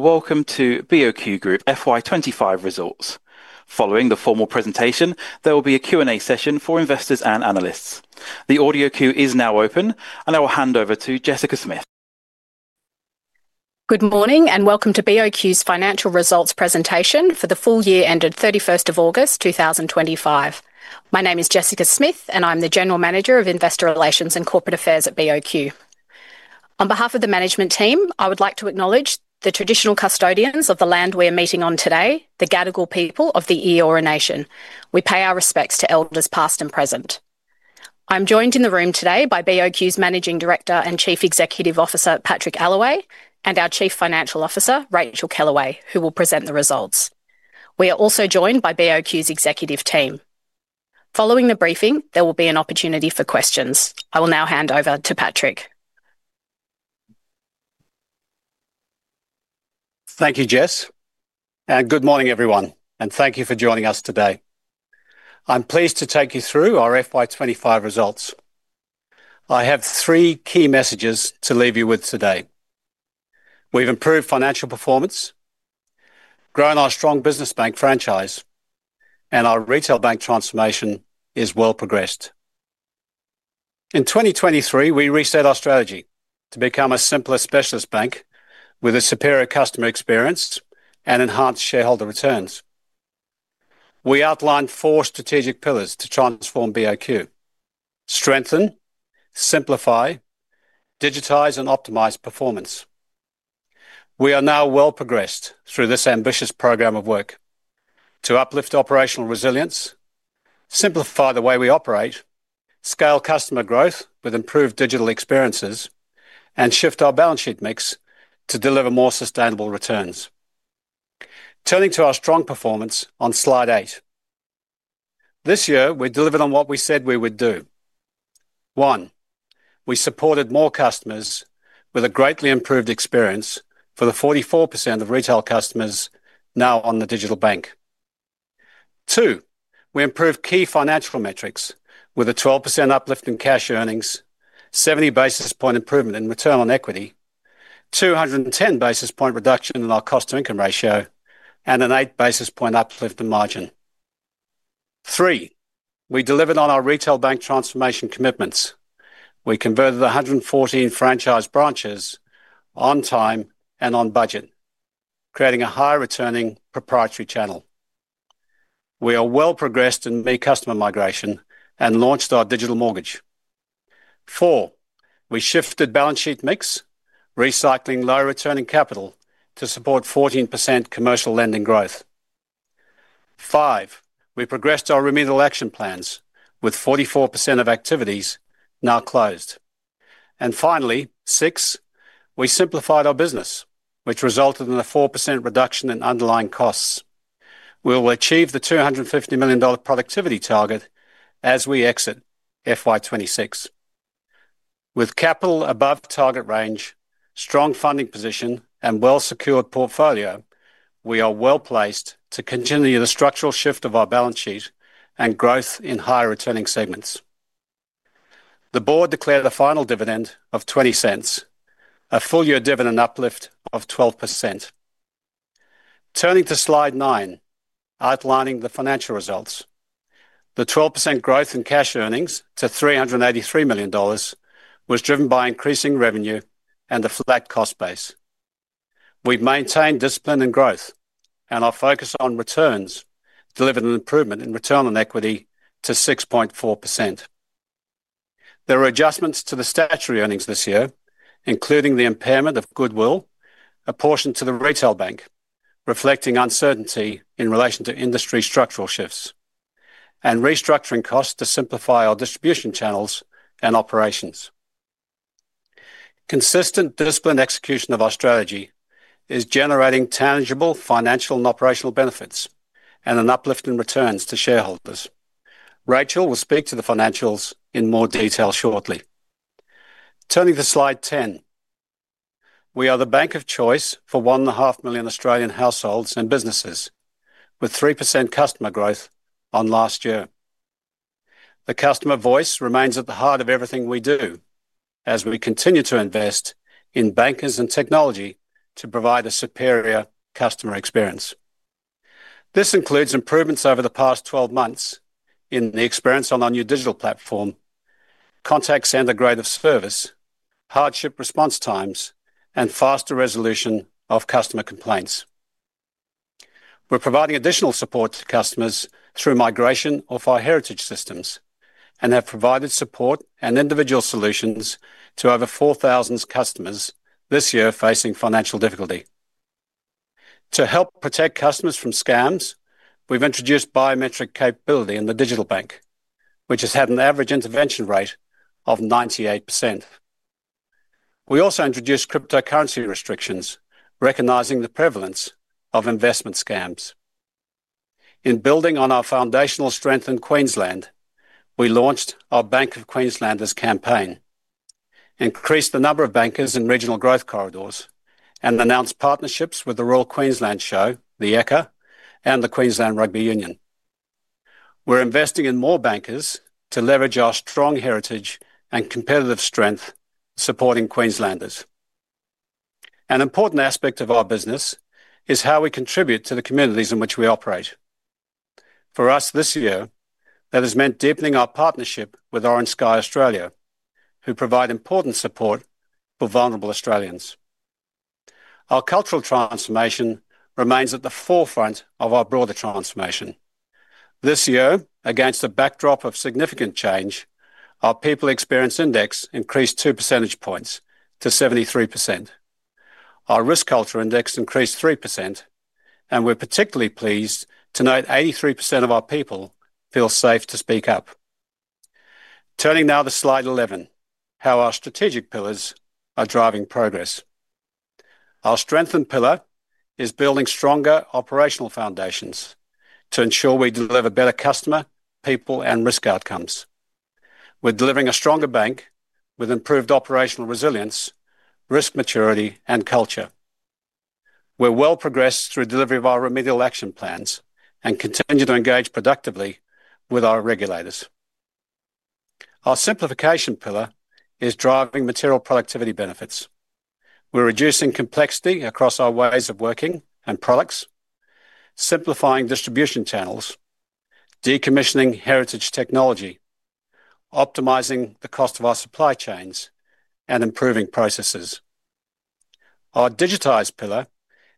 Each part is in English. Welcome to BOQ Group FY 2025 results. Following the formal presentation, there will be a Q&A session for investors and analysts. The audio queue is now open, and I will hand over to Jessica Smith. Good morning and welcome to BOQ's financial results presentation for the full year ended 31st of August 2025. My name is Jessica Smith, and I'm the General Manager of Investor Relations and Corporate Affairs at BOQ. On behalf of the management team, I would like to acknowledge the traditional custodians of the land we are meeting on today, the Gadigal people of the Eora Nation. We pay our respects to elders past and present. I'm joined in the room today by BOQ's Managing Director and Chief Executive Officer, Patrick Allaway, and our Chief Financial Officer, Racheal Kellaway, who will present the results. We are also joined by BOQ's executive team. Following the briefing, there will be an opportunity for questions. I will now hand over to Patrick. Thank you, Jess, and good morning everyone, and thank you for joining us today. I'm pleased to take you through our FY 2025 results. I have three key messages to leave you with today. We've improved financial performance, grown our strong business bank franchise, and our retail bank transformation is well progressed. In 2023, we reset our strategy to become a simpler specialist bank with a superior customer experience and enhanced shareholder returns. We outlined four strategic pillars to transform BOQ: strengthen, simplify, digitize, and optimize performance. We are now well progressed through this ambitious program of work to uplift operational resilience, simplify the way we operate, scale customer growth with improved digital experiences, and shift our balance sheet mix to deliver more sustainable returns. Turning to our strong performance on slide eight, this year we delivered on what we said we would do. One, we supported more customers with a greatly improved experience for the 44% of retail customers now on the digital banking platform. Two, we improved key financial metrics with a 12% uplift in cash earnings, 70 basis point improvement in return on equity, 210 basis point reduction in our cost-to-income ratio, and an eight basis point uplift in margin. Three, we delivered on our retail bank transformation commitments. We converted 114 franchise branches on time and on budget, creating a high-returning proprietary channel. We are well progressed in customer migration and launched our digital mortgage product. Four, we shifted balance sheet mix, recycling low-returning capital to support 14% commercial lending growth. Five, we progressed our remedial action plans with 44% of activities now closed. Finally, six, we simplified our business, which resulted in a 4% reduction in underlying costs. We will achieve the $250 million productivity target as we exit FY 2026. With capital above target range, strong funding position, and well-secured portfolio, we are well placed to continue the structural shift of our balance sheet and growth in high-returning segments. The board declared a final dividend of $0.20, a full-year dividend uplift of 12%. Turning to slide nine, outlining the financial results, the 12% growth in cash earnings to $383 million was driven by increasing revenue and a flat cost base. We maintained discipline and growth, and our focus on returns delivered an improvement in return on equity to 6.4%. There are adjustments to the statutory earnings this year, including the impairment of goodwill apportioned to the retail bank, reflecting uncertainty in relation to industry structural shifts and restructuring costs to simplify our distribution channels and operations. Consistent discipline execution of our strategy is generating tangible financial and operational benefits and an uplift in returns to shareholders. Racheal will speak to the financials in more detail shortly. Turning to slide ten, we are the bank of choice for one and a half million Australian households and businesses with 3% customer growth on last year. The customer voice remains at the heart of everything we do as we continue to invest in bankers and technology to provide a superior customer experience. This includes improvements over the past 12 months in the experience on our new digital banking platform, contact center grade of service, hardship response times, and faster resolution of customer complaints. We're providing additional support to customers through migration of our heritage systems and have provided support and individual solutions to over 4,000 customers this year facing financial difficulty. To help protect customers from scams, we've introduced biometric capability in the digital banking platform, which has had an average intervention rate of 98%. We also introduced cryptocurrency restrictions, recognizing the prevalence of investment scams. In building on our foundational strength in Queensland, we launched our Bank of Queenslanders campaign, increased the number of bankers in regional growth corridors, and announced partnerships with the Royal Queensland Show, the Ekka, and the Queensland Rugby Union. We're investing in more bankers to leverage our strong heritage and competitive strength, supporting Queenslanders. An important aspect of our business is how we contribute to the communities in which we operate. For us this year, that has meant deepening our partnership with Orange Sky Australia, who provide important support for vulnerable Australians. Our cultural transformation remains at the forefront of our broader transformation. This year, against a backdrop of significant change, our People Experience Index increased two percentage points to 73%. Our Risk Culture Index increased 3%, and we're particularly pleased to note 83% of our people feel safe to speak up. Turning now to slide 11, how our strategic pillars are driving progress. Our strengthened pillar is building stronger operational foundations to ensure we deliver better customer, people, and risk outcomes. We're delivering a stronger bank with improved operational resilience, risk maturity, and culture. We're well progressed through delivery of our remedial action plans and continue to engage productively with our regulators. Our simplification pillar is driving material productivity benefits. We're reducing complexity across our ways of working and products, simplifying distribution channels, decommissioning heritage technology, optimizing the cost of our supply chains, and improving processes. Our digitized pillar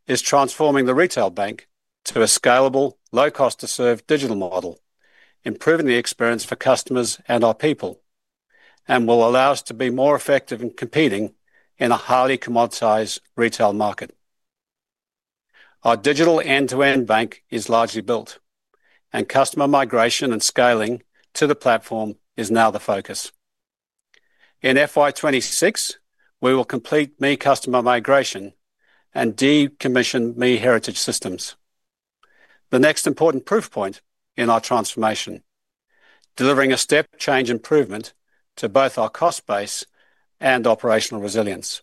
is transforming the retail bank to a scalable, low cost to serve digital model, improving the experience for customers and our people, and will allow us to be more effective in competing in a highly commoditized retail market. Our digital end-to-end bank is largely built, and customer migration and scaling to the platform is now the focus. In FY 2026, we will complete the customer migration and decommission the heritage systems. The next important proof point in our transformation is delivering a step change improvement to both our cost base and operational resilience.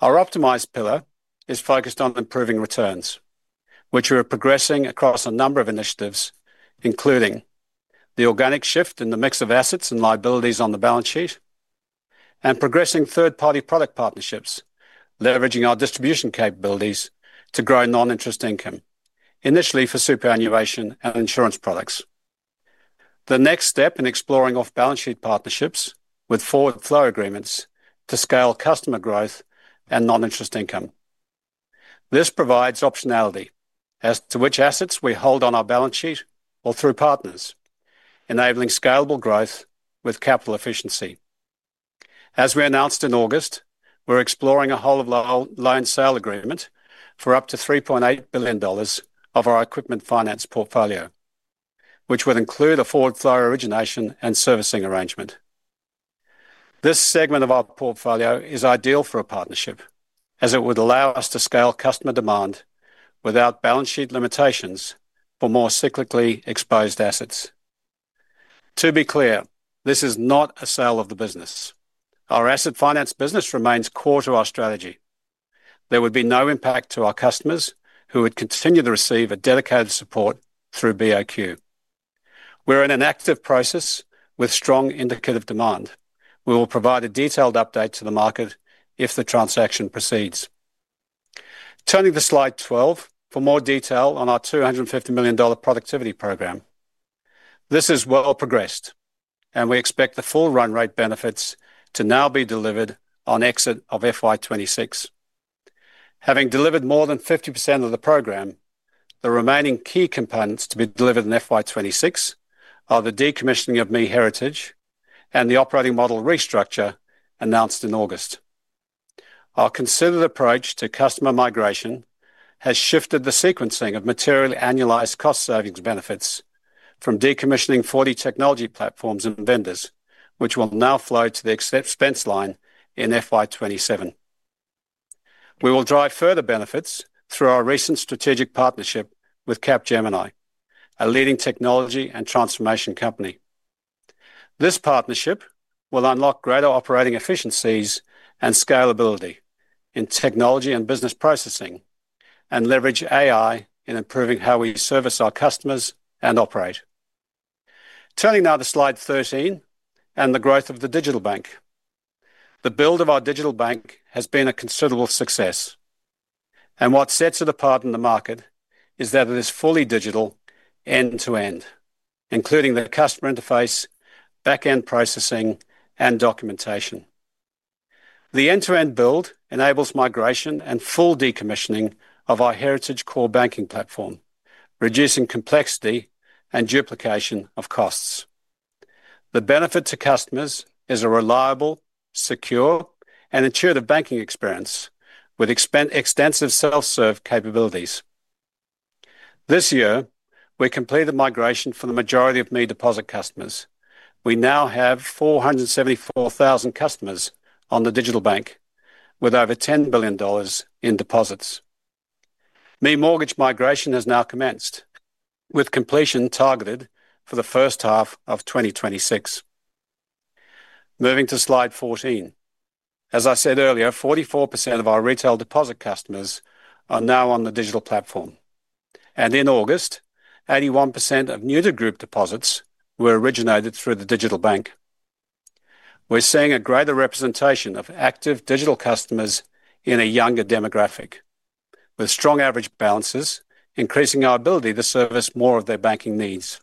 Our optimized pillar is focused on improving returns, which we are progressing across a number of initiatives, including the organic shift in the mix of assets and liabilities on the balance sheet and progressing third-party product partnerships, leveraging our distribution capabilities to grow non-interest income initially for superannuation and insurance products. The next step is exploring off-balance sheet partnerships with forward flow agreements to scale customer growth and non-interest income. This provides optionality as to which assets we hold on our balance sheet or through partners, enabling scalable growth with capital efficiency. As we announced in August, we're exploring a whole of loan sale agreement for up to $3.8 billion of our equipment finance portfolio, which would include a forward flow origination and servicing arrangement. This segment of our portfolio is ideal for a partnership, as it would allow us to scale customer demand without balance sheet limitations for more cyclically exposed assets. To be clear, this is not a sale of the business. Our asset finance business remains core to our strategy. There would be no impact to our customers who would continue to receive dedicated support through BOQ. We're in an active process with strong indicative demand. We will provide a detailed update to the market if the transaction proceeds. Turning to slide 12 for more detail on our $250 million productivity program. This is well progressed, and we expect the full run rate benefits to now be delivered on exit of FY 2026. Having delivered more than 50% of the program, the remaining key components to be delivered in FY 2026 are the decommissioning of ME heritage and the operating model restructure announced in August. Our considered approach to customer migration has shifted the sequencing of materially annualized cost savings benefits from decommissioning 40 technology platforms and vendors, which will now flow to the expense line in FY 2027. We will drive further benefits through our recent strategic partnership with Capgemini, a leading technology and transformation company. This partnership will unlock greater operating efficiencies and scalability in technology and business processing and leverage AI in improving how we service our customers and operate. Turning now to slide 13 and the growth of the digital bank. The build of our digital bank has been a considerable success, and what sets it apart in the market is that it is fully digital end-to-end, including the customer interface, backend processing, and documentation. The end-to-end build enables migration and full decommissioning of our heritage core banking platform, reducing complexity and duplication of costs. The benefit to customers is a reliable, secure, and intuitive banking experience with extensive self-serve capabilities. This year, we completed migration for the majority of ME deposit customers. We now have 474,000 customers on the digital bank with over $10 billion in deposits. ME mortgage migration has now commenced, with completion targeted for the first half of 2026. Moving to slide 14, as I said earlier, 44% of our retail deposit customers are now on the digital platform, and in August, 81% of new to group deposits were originated through the digital bank. We're seeing a greater representation of active digital customers in a younger demographic, with strong average balances increasing our ability to service more of their banking needs.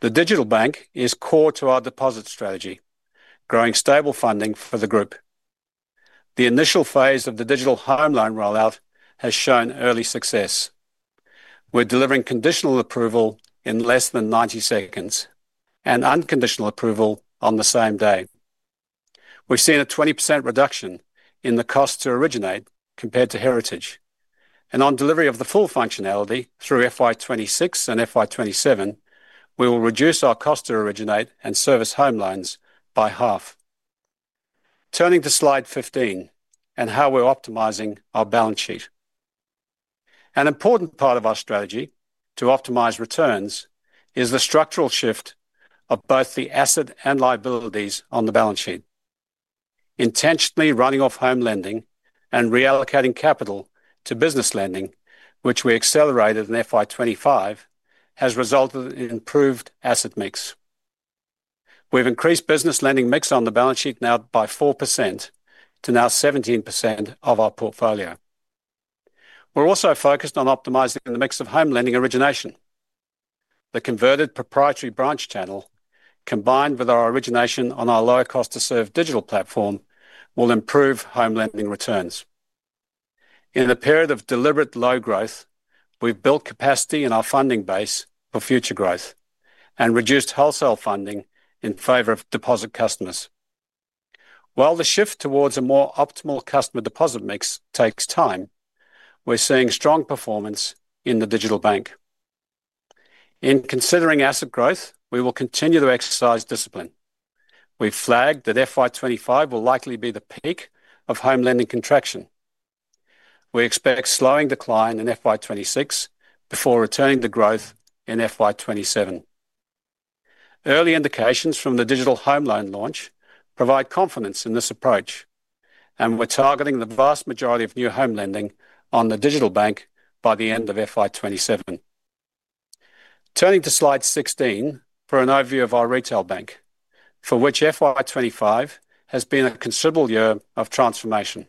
The digital bank is core to our deposit strategy, growing stable funding for the group. The initial phase of the digital home loan rollout has shown early success. We're delivering conditional approval in less than 90 seconds and unconditional approval on the same day. We've seen a 20% reduction in the cost to originate compared to heritage, and on delivery of the full functionality through FY 2026 and FY 2027, we will reduce our cost to originate and service home loans by half. Turning to slide 15 and how we're optimizing our balance sheet. An important part of our strategy to optimize returns is the structural shift of both the asset and liabilities on the balance sheet. Intentionally running off home lending and reallocating capital to business lending, which we accelerated in FY 2025, has resulted in improved asset mix. We've increased business lending mix on the balance sheet now by 4% to now 17% of our portfolio. We're also focused on optimizing the mix of home lending origination. The converted proprietary branch channel, combined with our origination on our low cost to serve digital banking platform, will improve home lending returns. In a period of deliberate low growth, we've built capacity in our funding base for future growth and reduced wholesale funding in favor of deposit customers. While the shift towards a more optimal customer deposit mix takes time, we're seeing strong performance in the digital bank. In considering asset growth, we will continue to exercise discipline. We've flagged that FY 2025 will likely be the peak of home lending contraction. We expect slowing decline in FY 2026 before returning to growth in FY 2027. Early indications from the digital mortgage product launch provide confidence in this approach, and we're targeting the vast majority of new home lending on the digital bank by the end of FY 2027. Turning to slide 16 for an overview of our retail bank, for which FY 2025 has been a considerable year of transformation.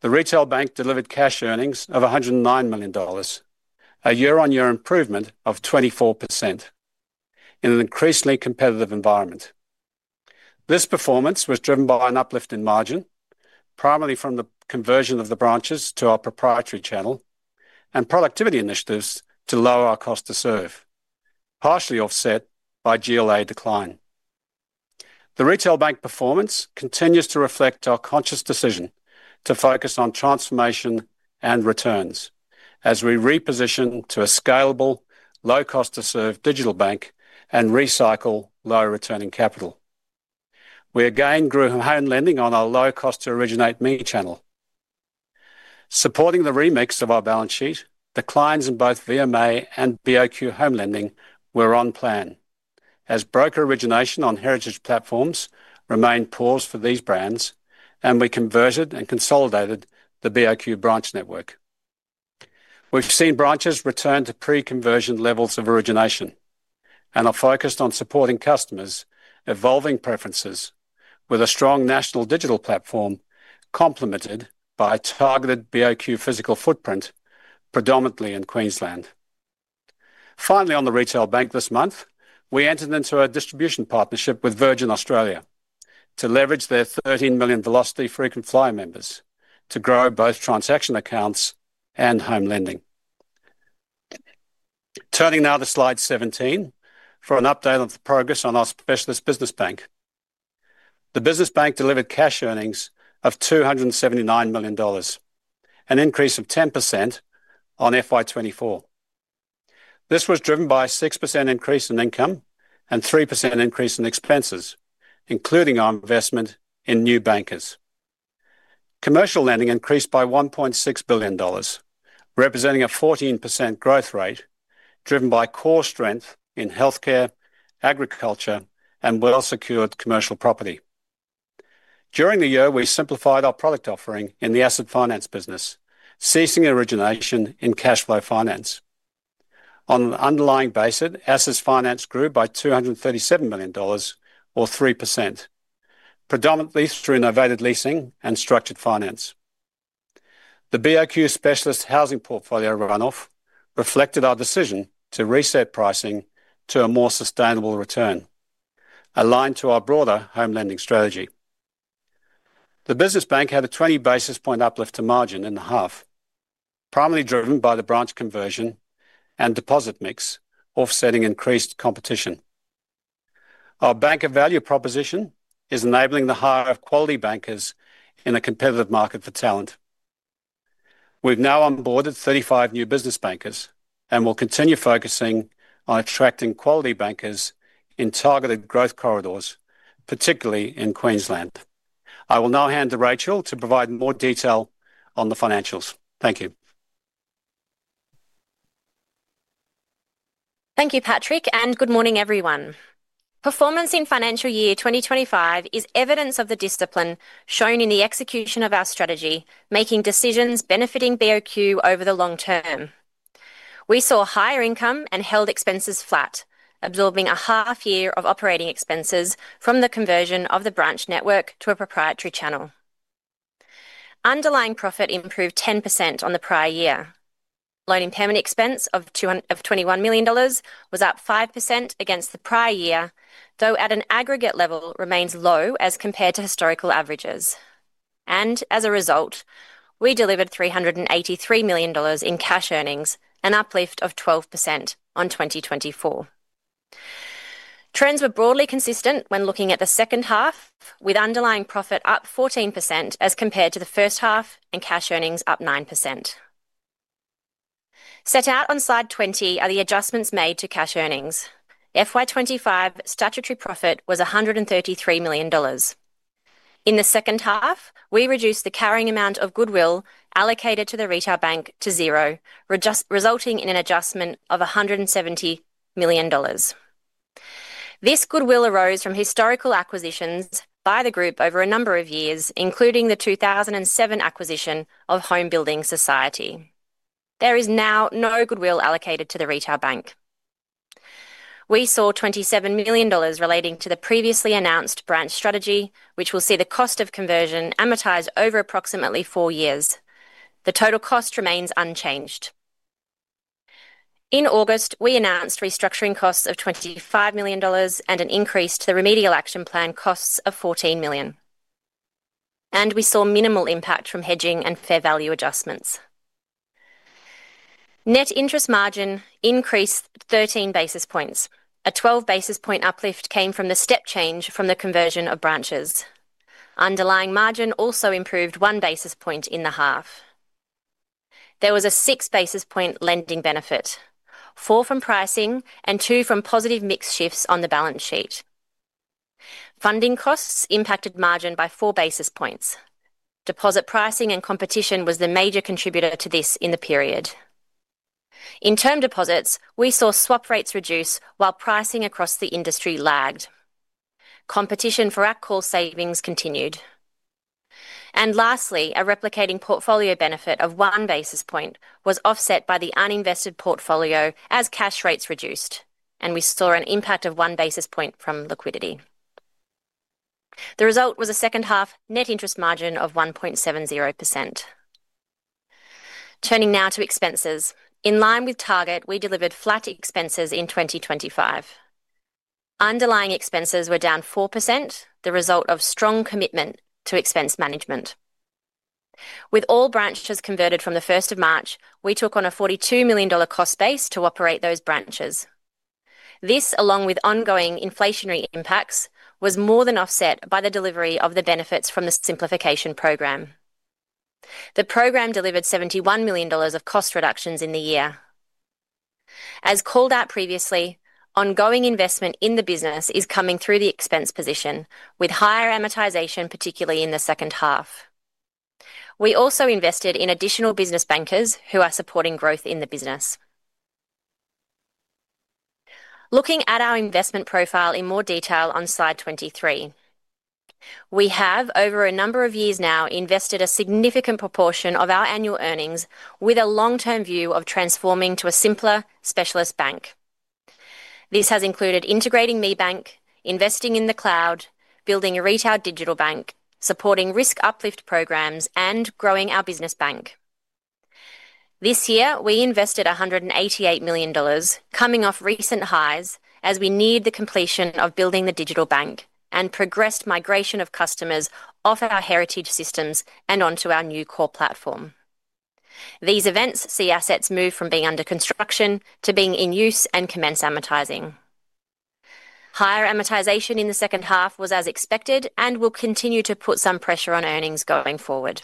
The retail bank delivered cash earnings of $109 million, a year-on-year improvement of 24% in an increasingly competitive environment. This performance was driven by an uplift in margin, primarily from the conversion of the branches to our proprietary channel and productivity initiatives to lower our cost to serve, partially offset by GLA decline. The retail bank performance continues to reflect our conscious decision to focus on transformation and returns as we reposition to a scalable, low cost to serve digital bank and recycle low returning capital. We again grew home lending on our low cost to originate me channel. Supporting the remix of our balance sheet, declines in both VMA and BOQ home lending were on plan as broker origination on heritage platforms remained paused for these brands, and we converted and consolidated the BOQ branch network. We've seen branches return to pre-conversion levels of origination and are focused on supporting customers' evolving preferences with a strong national digital banking platform complemented by a targeted BOQ physical footprint predominantly in Queensland. Finally, on the retail bank this month, we entered into a distribution partnership with Virgin Australia to leverage their 13 million Velocity frequent flyer members to grow both transaction accounts and home lending. Turning now to slide 17 for an update on the progress on our specialist business bank. The business bank delivered cash earnings of $279 million, an increase of 10% on FY 2024. This was driven by a 6% increase in income and 3% increase in expenses, including our investment in new bankers. Commercial lending increased by $1.6 billion, representing a 14% growth rate driven by core strength in healthcare, agriculture, and well-secured commercial property. During the year, we simplified our product offering in the asset finance business, ceasing origination in cash flow finance. On an underlying basis, assets financed grew by $237 million, or 3%, predominantly through innovative leasing and structured finance. The BOQ specialist housing portfolio runoff reflected our decision to reset pricing to a more sustainable return, aligned to our broader home lending strategy. The business bank had a 20 basis point uplift to margin in the half, primarily driven by the branch conversion and deposit mix, offsetting increased competition. Our bank of value proposition is enabling the hire of quality bankers in a competitive market for talent. We've now onboarded 35 new business bankers and will continue focusing on attracting quality bankers in targeted growth corridors, particularly in Queensland. I will now hand to Racheal to provide more detail on the financials. Thank you. Thank you, Patrick, and good morning everyone. Performance in financial year 2025 is evidence of the discipline shown in the execution of our strategy, making decisions benefiting BOQ over the long term. We saw higher income and held expenses flat, absorbing a half year of operating expenses from the conversion of the branch network to a proprietary channel. Underlying profit improved 10% on the prior year. Loan impairment expense of $21 million was up 5% against the prior year, though at an aggregate level remains low as compared to historical averages. As a result, we delivered $383 million in cash earnings, an uplift of 12% on 2024. Trends were broadly consistent when looking at the second half, with underlying profit up 14% as compared to the first half and cash earnings up 9%. Set out on slide 20 are the adjustments made to cash earnings. FY 2025 statutory profit was $133 million. In the second half, we reduced the carrying amount of goodwill allocated to the retail bank to zero, resulting in an adjustment of $170 million. This goodwill arose from historical acquisitions by the group over a number of years, including the 2007 acquisition of Home Building Society. There is now no goodwill allocated to the retail bank. We saw $27 million relating to the previously announced branch strategy, which will see the cost of conversion amortized over approximately four years. The total cost remains unchanged. In August, we announced restructuring costs of $25 million and an increase to the remedial action plan costs of $14 million. We saw minimal impact from hedging and fair value adjustments. Net interest margin increased 13 basis points. A 12 basis point uplift came from the step change from the conversion of branches. Underlying margin also improved one basis point in the half. There was a six basis point lending benefit, four from pricing and two from positive mix shifts on the balance sheet. Funding costs impacted margin by four basis points. Deposit pricing and competition was the major contributor to this in the period. In term deposits, we saw swap rates reduce while pricing across the industry lagged. Competition for our call savings continued. Lastly, a replicating portfolio benefit of one basis point was offset by the uninvested portfolio as cash rates reduced, and we saw an impact of one basis point from liquidity. The result was a second half net interest margin of 1.70%. Turning now to expenses. In line with target, we delivered flat expenses in 2025. Underlying expenses were down 4%, the result of strong commitment to expense management. With all branches converted from the 1st of March, we took on a $42 million cost base to operate those branches. This, along with ongoing inflationary impacts, was more than offset by the delivery of the benefits from the simplification program. The program delivered $71 million of cost reductions in the year. As called out previously, ongoing investment in the business is coming through the expense position, with higher amortization, particularly in the second half. We also invested in additional business bankers who are supporting growth in the business. Looking at our investment profile in more detail on slide 23, we have over a number of years now invested a significant proportion of our annual earnings with a long-term view of transforming to a simpler specialist bank. This has included integrating ME Bank, investing in the cloud, building a retail digital bank, supporting risk uplift programs, and growing our business bank. This year, we invested $188 million, coming off recent highs as we near the completion of building the digital bank and progressed migration of customers off our heritage systems and onto our new core platform. These events see assets move from being under construction to being in use and commence amortizing. Higher amortization in the second half was as expected and will continue to put some pressure on earnings going forward.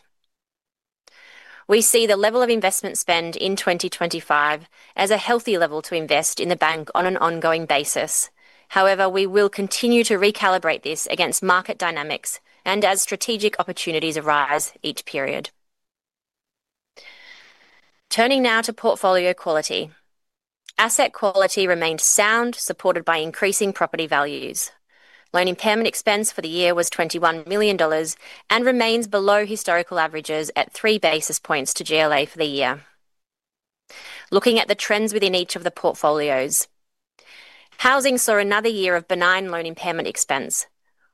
We see the level of investment spend in 2025 as a healthy level to invest in the bank on an ongoing basis. However, we will continue to recalibrate this against market dynamics and as strategic opportunities arise each period. Turning now to portfolio quality. Asset quality remained sound, supported by increasing property values. Loan impairment expense for the year was $21 million and remains below historical averages at 3 basis points to GLA for the year. Looking at the trends within each of the portfolios, housing saw another year of benign loan impairment expense.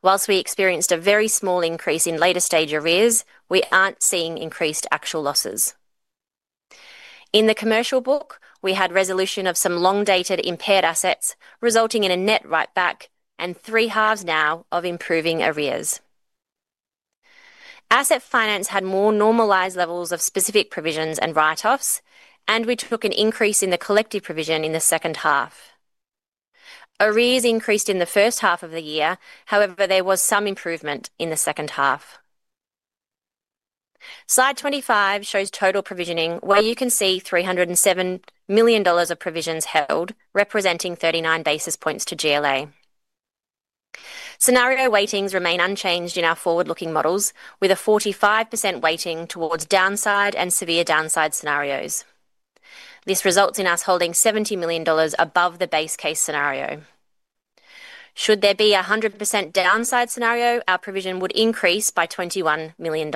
Whilst we experienced a very small increase in later stage arrears, we aren't seeing increased actual losses. In the commercial book, we had resolution of some long-dated impaired assets, resulting in a net write-back and three halves now of improving arrears. Asset finance had more normalized levels of specific provisions and write-offs, and we took an increase in the collective provision in the second half. Arrears increased in the first half of the year, however, there was some improvement in the second half. Slide 25 shows total provisioning, where you can see $307 million of provisions held, representing 39 basis points to GLA. Scenario weightings remain unchanged in our forward-looking models, with a 45% weighting towards downside and severe downside scenarios. This results in us holding $70 million above the base case scenario. Should there be a 100% downside scenario, our provision would increase by $21 million.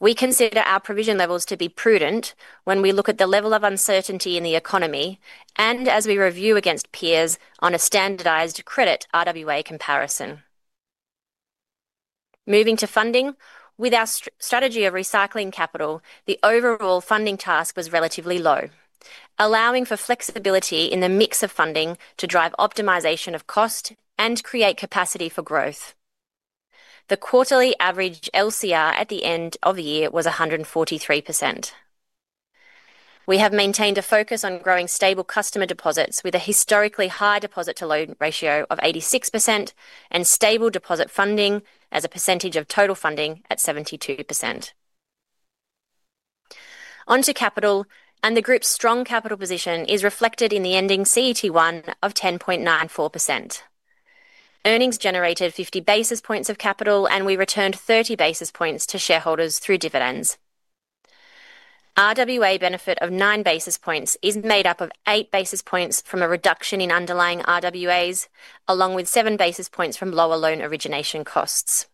We consider our provision levels to be prudent when we look at the level of uncertainty in the economy and as we review against peers on a standardized credit RWA comparison. Moving to funding, with our strategy of recycling capital, the overall funding task was relatively low, allowing for flexibility in the mix of funding to drive optimization of cost and create capacity for growth. The quarterly average LCR at the end of year was 143%. We have maintained a focus on growing stable customer deposits with a historically high deposit-to-loan ratio of 86% and stable deposit funding as a percentage of total funding at 72%. Onto capital, and the group's strong capital position is reflected in the ending CET1 of 10.94%. Earnings generated 50 basis points of capital, and we returned 30 basis points to shareholders through dividends. RWA benefit of nine basis points is made up of eight basis points from a reduction in underlying RWAs, along with seven basis points from lower loan origination costs.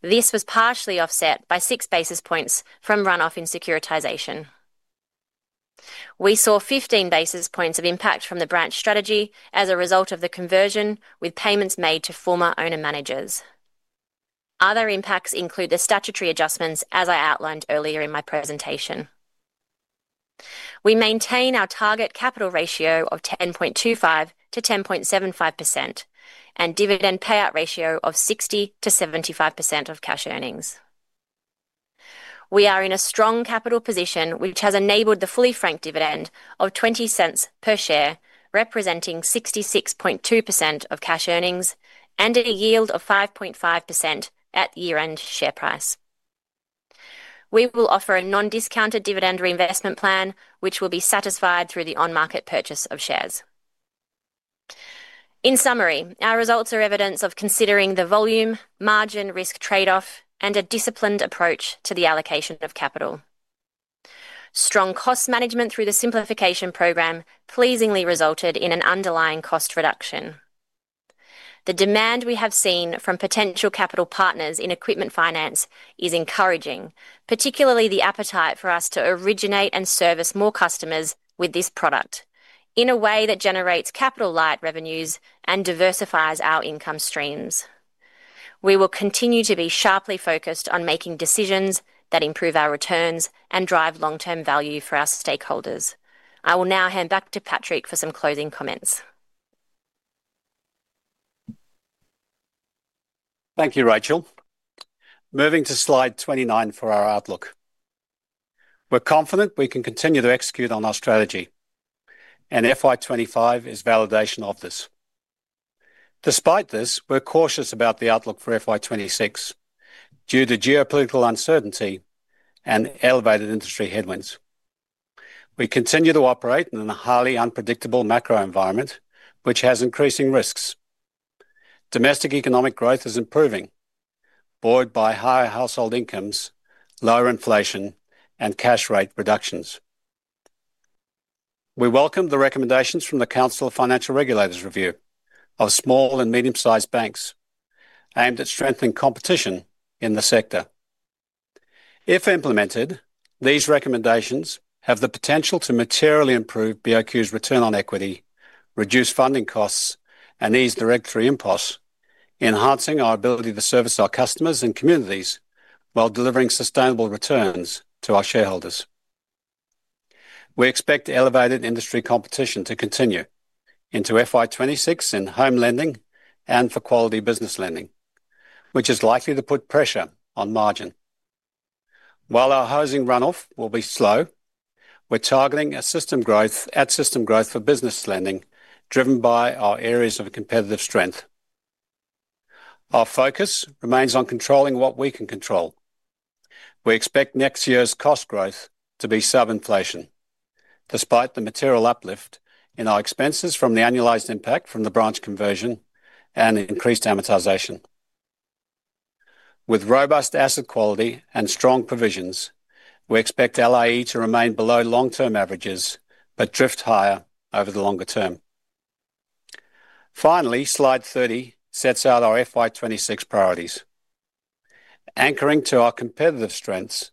This was partially offset by six basis points from runoff in securitization. We saw 15 basis points of impact from the branch strategy as a result of the conversion, with payments made to former owner-managers. Other impacts include the statutory adjustments as I outlined earlier in my presentation. We maintain our target capital ratio of 10.25% to 10.75% and dividend payout ratio of 60% to 75% of cash earnings. We are in a strong capital position, which has enabled the fully franked final dividend of $0.20 per share, representing 66.2% of cash earnings and a yield of 5.5% at year-end share price. We will offer a non-discounted dividend reinvestment plan, which will be satisfied through the on-market purchase of shares. In summary, our results are evidence of considering the volume, margin, risk trade-off, and a disciplined approach to the allocation of capital. Strong cost management through the simplification program pleasingly resulted in an underlying cost reduction. The demand we have seen from potential capital partners in equipment finance is encouraging, particularly the appetite for us to originate and service more customers with this product in a way that generates capital light revenues and diversifies our income streams. We will continue to be sharply focused on making decisions that improve our returns and drive long-term value for our stakeholders. I will now hand back to Patrick for some closing comments. Thank you, Racheal. Moving to slide 29 for our outlook. We're confident we can continue to execute on our strategy, and FY 2025 is validation of this. Despite this, we're cautious about the outlook for FY 2026 due to geopolitical uncertainty and elevated industry headwinds. We continue to operate in a highly unpredictable macro environment, which has increasing risks. Domestic economic growth is improving, buoyed by higher household incomes, lower inflation, and cash rate reductions. We welcome the recommendations from the Council of Financial Regulators Review of small and medium-sized banks aimed at strengthening competition in the sector. If implemented, these recommendations have the potential to materially improve BOQ's return on equity, reduce funding costs, and ease the regulatory impulse, enhancing our ability to service our customers and communities while delivering sustainable returns to our shareholders. We expect elevated industry competition to continue into FY 2026 in home lending and for quality business lending, which is likely to put pressure on margin. While our housing runoff will be slow, we're targeting at system growth for business lending driven by our areas of competitive strength. Our focus remains on controlling what we can control. We expect next year's cost growth to be sub-inflation, despite the material uplift in our expenses from the annualized impact from the branch conversion and increased amortization. With robust asset quality and strong provisions, we expect LAE to remain below long-term averages but drift higher over the longer term. Finally, slide 30 sets out our FY 2026 priorities, anchoring to our competitive strengths,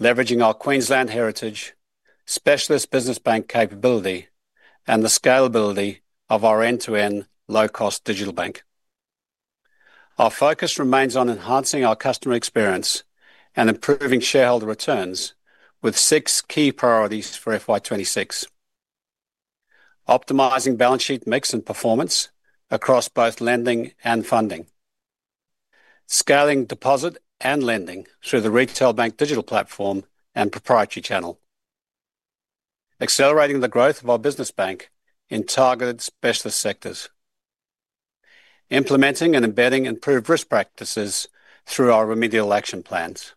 leveraging our Queensland heritage, specialist business bank capability, and the scalability of our end-to-end low-cost digital bank. Our focus remains on enhancing our customer experience and improving shareholder returns with six key priorities for FY 2026: optimizing balance sheet mix and performance across both lending and funding, scaling deposit and lending through the retail bank digital platform and proprietary channel, accelerating the growth of our business bank in targeted specialist sectors, implementing and embedding improved risk practices through our remedial action plans,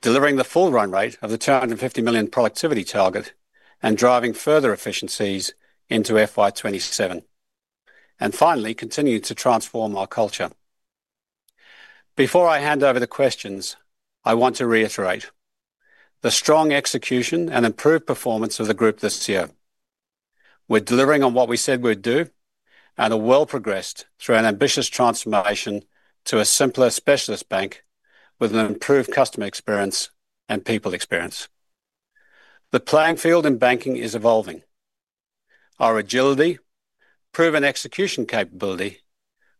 delivering the full run rate of the $250 million productivity target and driving further efficiencies into FY 2027, and finally continuing to transform our culture. Before I hand over to questions, I want to reiterate the strong execution and improved performance of the group this year. We're delivering on what we said we'd do and are well progressed through an ambitious transformation to a simpler specialist bank with an improved customer experience and people experience. The playing field in banking is evolving. Our agility, proven execution capability,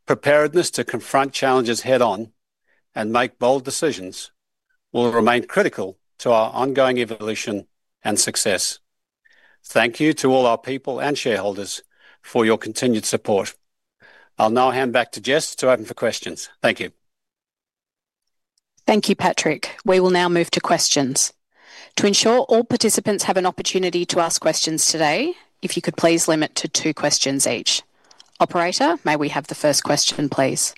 preparedness to confront challenges head-on, and make bold decisions will remain critical to our ongoing evolution and success. Thank you to all our people and shareholders for your continued support. I'll now hand back to Jess to open for questions. Thank you. Thank you, Patrick. We will now move to questions. To ensure all participants have an opportunity to ask questions today, if you could please limit to two questions each. Operator, may we have the first question, please?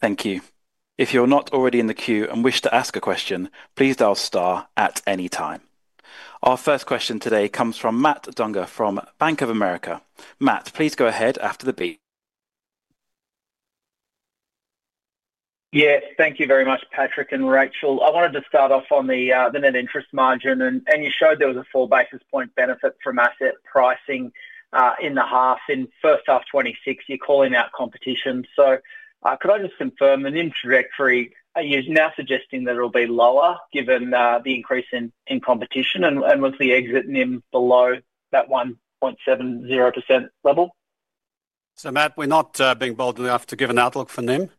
Thank you. If you're not already in the queue and wish to ask a question, please dial star at any time. Our first question today comes from Matt Dunger from Bank of America. Matt, please go ahead after the beep. Yes, thank you very much, Patrick and Racheal. I wanted to start off on the net interest margin, and you showed there was a four basis point benefit from asset pricing in the half in first half 2026. You're calling out competition. Could I just confirm an indirect rate? Are you now suggesting that it'll be lower given the increase in competition and with the exit NIM below that 1.70% level? We're not being bold enough to give an outlook for NIM.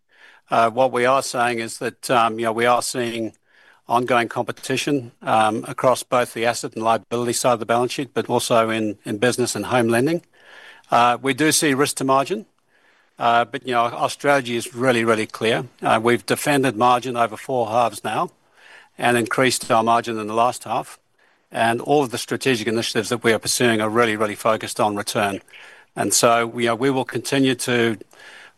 What we are saying is that we are seeing ongoing competition across both the asset and liability side of the balance sheet, but also in business and home lending. We do see risk to margin, but our strategy is really, really clear. We've defended margin over four halves now and increased our margin in the last half. All of the strategic initiatives that we are pursuing are really, really focused on return. We will continue to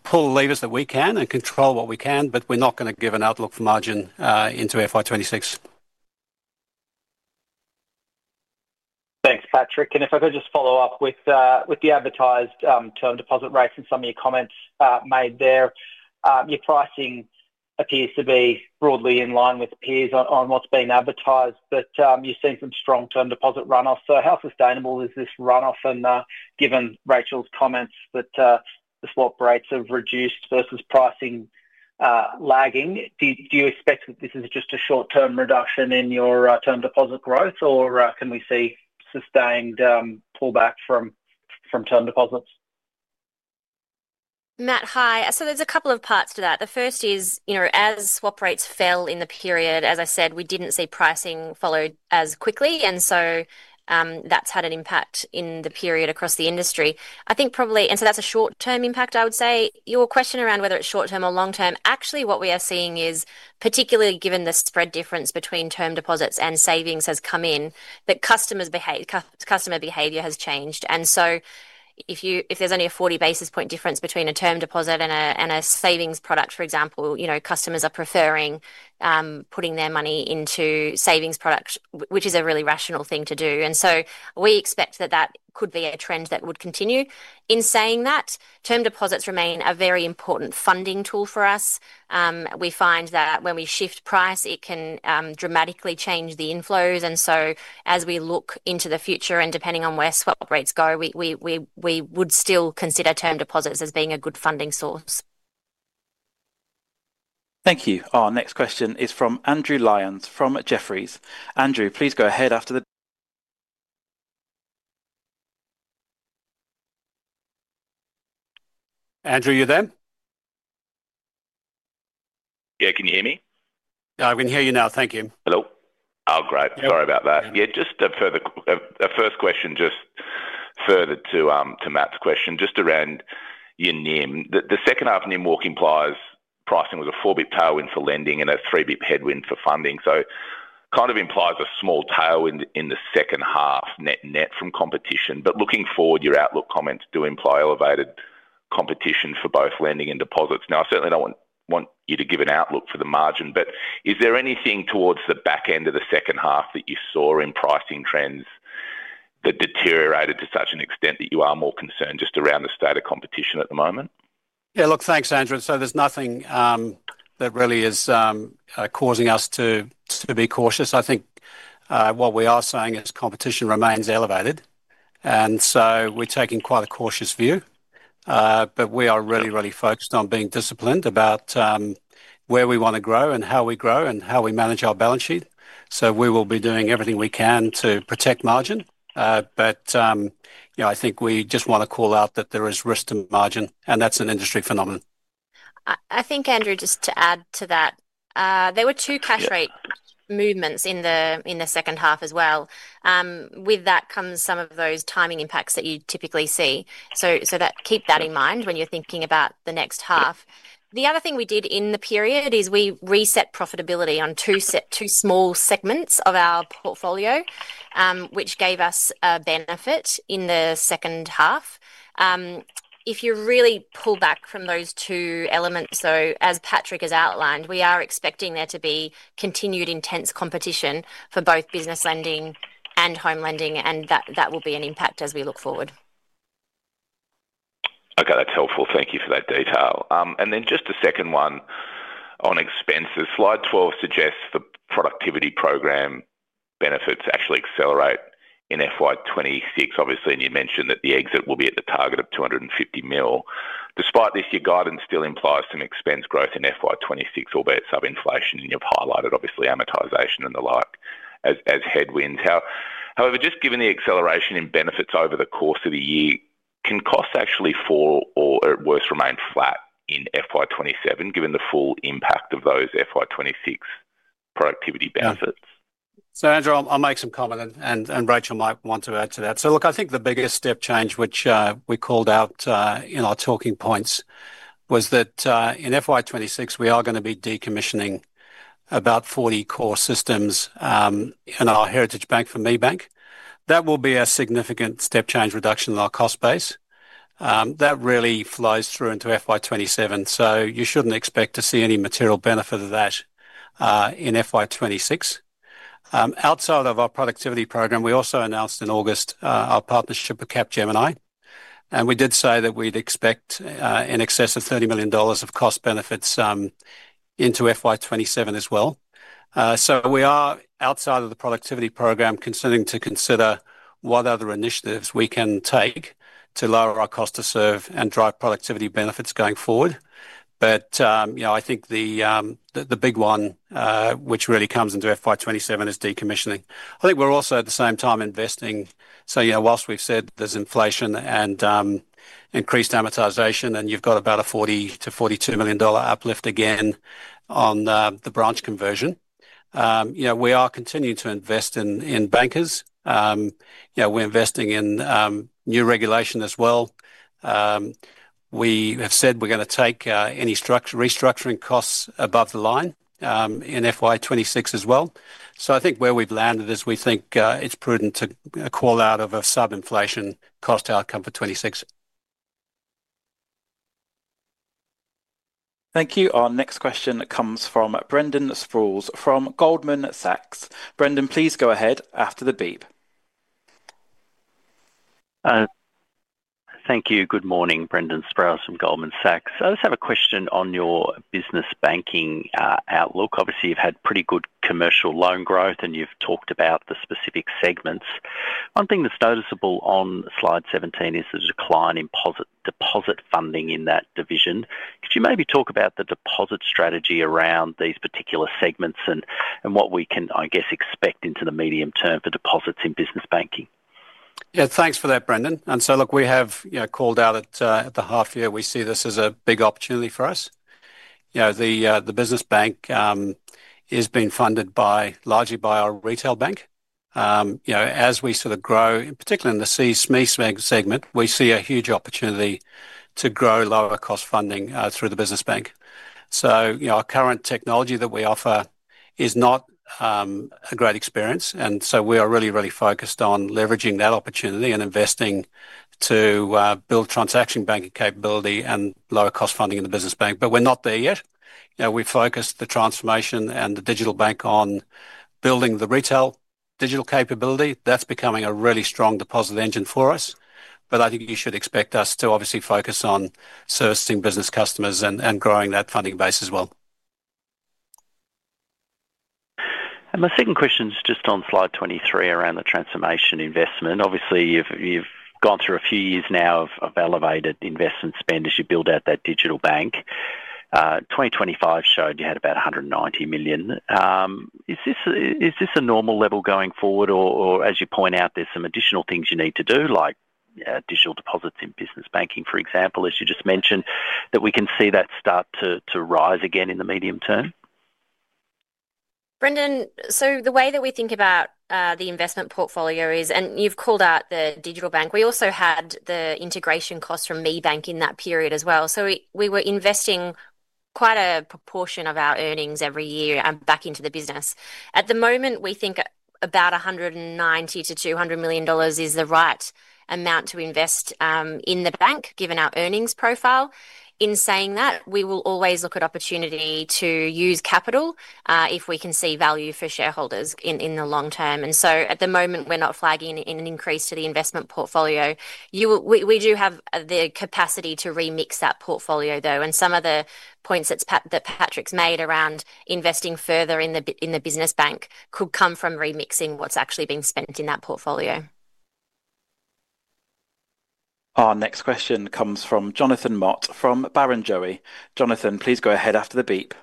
pull levers that we can and control what we can, but we're not going to give an outlook for margin into FY 2026. Thanks, Patrick. If I could just follow up with the advertised term deposit rates and some of your comments made there. Your pricing appears to be broadly in line with peers on what's being advertised, but you've seen some strong term deposit runoff. How sustainable is this runoff? Given Racheal's comments that the swap rates have reduced versus pricing lagging, do you expect that this is just a short-term reduction in your term deposit growth, or can we see sustained pullback from term deposits? Matt, hi. There's a couple of parts to that. The first is, as swap rates fell in the period, as I said, we didn't see pricing followed as quickly. That's had an impact in the period across the industry. I think probably that's a short-term impact. I would say your question around whether it's short-term or long-term, actually what we are seeing is, particularly given the spread difference between term deposits and savings has come in, that customer behavior has changed. If there's only a 40 basis point difference between a term deposit and a savings product, for example, customers are preferring putting their money into savings products, which is a really rational thing to do. We expect that could be a trend that would continue. In saying that, term deposits remain a very important funding tool for us. We find that when we shift price, it can dramatically change the inflows. As we look into the future and depending on where swap rates go, we would still consider term deposits as being a good funding source. Thank you. Our next question is from Andrew Lyons from Jefferies. Andrew, please go ahead. Andrew, are you there? Yeah, can you hear me? Yeah, I can hear you now. Thank you. Great. Sorry about that. Just a first question, further to Matt's question, just around your NIM. The second half NIM walk implies pricing was a four-basis point tailwind for lending and a three-basis point headwind for funding. This kind of implies a small tailwind in the second half, net net from competition. Looking forward, your outlook comments do imply elevated competition for both lending and deposits. I certainly don't want you to give an outlook for the margin, but is there anything towards the back end of the second half that you saw in pricing trends that deteriorated to such an extent that you are more concerned just around the state of competition at the moment? Yeah, look, thanks, Andrew. There's nothing that really is causing us to be cautious. I think what we are saying is competition remains elevated. We are really, really focused on being disciplined about where we want to grow, how we grow, and how we manage our balance sheet. We will be doing everything we can to protect margin. I think we just want to call out that there is risk to margin, and that's an industry phenomenon. I think, Andrew, just to add to that, there were two cash rate movements in the second half as well. With that comes some of those timing impacts that you typically see. Keep that in mind when you're thinking about the next half. The other thing we did in the period is we reset profitability on two small segments of our portfolio, which gave us a benefit in the second half. If you really pull back from those two elements, as Patrick has outlined, we are expecting there to be continued intense competition for both business lending and home lending, and that will be an impact as we look forward. Okay, that's helpful. Thank you for that detail. Just a second one on expenses. Slide 12 suggests the productivity program benefits actually accelerate in FY 2026, obviously, and you mentioned that the exit will be at the target of $250 million. Despite this, your guidance still implies some expense growth in FY 2026, albeit sub-inflation, and you've highlighted obviously amortization and the like as headwinds. However, just given the acceleration in benefits over the course of the year, can costs actually fall or at worst remain flat in FY 2027, given the full impact of those FY 2026 productivity benefits? Andrew, I'll make some comment, and Racheal might want to add to that. I think the biggest step change, which we called out in our talking points, was that in FY 2026, we are going to be decommissioning about 40 core systems in our heritage bank for ME Bank. That will be a significant step change reduction in our cost base. That really flows through into FY 2027, so you shouldn't expect to see any material benefit of that in FY 2026. Outside of our productivity program, we also announced in August our partnership with Capgemini, and we did say that we'd expect in excess of $30 million of cost benefits into FY 2027 as well. We are outside of the productivity program considering what other initiatives we can take to lower our cost to serve and drive productivity benefits going forward. I think the big one, which really comes into FY 2027, is decommissioning. I think we're also at the same time investing. Whilst we've said there's inflation and increased amortization, and you've got about a $40 million-$42 million uplift again on the branch conversion, we are continuing to invest in bankers. We're investing in new regulation as well. We have said we're going to take any restructuring costs above the line in FY 2026 as well. I think where we've landed is we think it's prudent to call out a sub-inflation cost outcome for 2026. Thank you. Our next question comes from Brendan Sproules from Goldman Sachs. Brendan, please go ahead after the beep. Thank you. Good morning, Brendan Sproules from Goldman Sachs. I just have a question on your business banking outlook. Obviously, you've had pretty good commercial loan growth, and you've talked about the specific segments. One thing that's noticeable on slide 17 is the decline in deposit funding in that division. Could you maybe talk about the deposit strategy around these particular segments and what we can, I guess, expect into the medium term for deposits in business banking? Yeah, thanks for that, Brendan. We have called out at the half year, we see this as a big opportunity for us. The business bank is being funded largely by our retail bank. As we sort of grow, particularly in the C-SME segment, we see a huge opportunity to grow lower cost funding through the business bank. Our current technology that we offer is not a great experience, and we are really, really focused on leveraging that opportunity and investing to build transaction banking capability and lower cost funding in the business bank. We're not there yet. We focus the transformation and the digital bank on building the retail digital capability. That's becoming a really strong deposit engine for us. I think you should expect us to obviously focus on servicing business customers and growing that funding base as well. My second question is just on slide 23 around the transformation investment. Obviously, you've gone through a few years now of elevated investment spend as you build out that digital bank. 2025 showed you had about $190 million. Is this a normal level going forward, or as you point out, there's some additional things you need to do, like digital deposits in business banking, for example, as you just mentioned, that we can see that start to rise again in the medium term? Brendan, the way that we think about the investment portfolio is, and you've called out the digital bank, we also had the integration cost from ME Bank in that period as well. We were investing quite a proportion of our earnings every year back into the business. At the moment, we think about $190 million-$200 million is the right amount to invest in the bank, given our earnings profile. In saying that, we will always look at opportunity to use capital if we can see value for shareholders in the long term. At the moment, we're not flagging an increase to the investment portfolio. We do have the capacity to remix that portfolio, though, and some of the points that Patrick's made around investing further in the business bank could come from remixing what's actually being spent in that portfolio. Our next question comes from Jonathan Mott from Barrenjoey. Jonathan, please go ahead after the beep.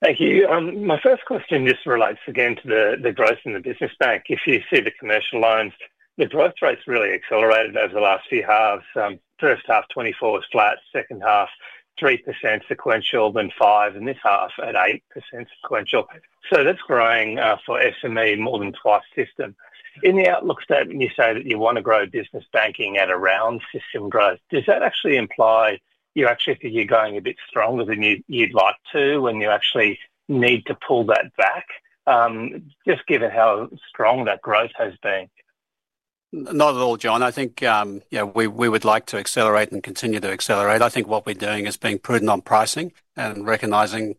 Thank you. My first question just relates again to the growth in the business bank. If you see the commercial loans, the growth rates really accelerated over the last few halves. First half, 24% was flat, second half, 3% sequential, then 5%, and this half at 8% sequential. That's growing for SME more than twice system. In the outlook statement, you say that you want to grow business banking at around system growth. Does that actually imply you actually think you're going a bit stronger than you'd like to when you actually need to pull that back, just given how strong that growth has been? Not at all, John. I think we would like to accelerate and continue to accelerate. I think what we're doing is being prudent on pricing and recognizing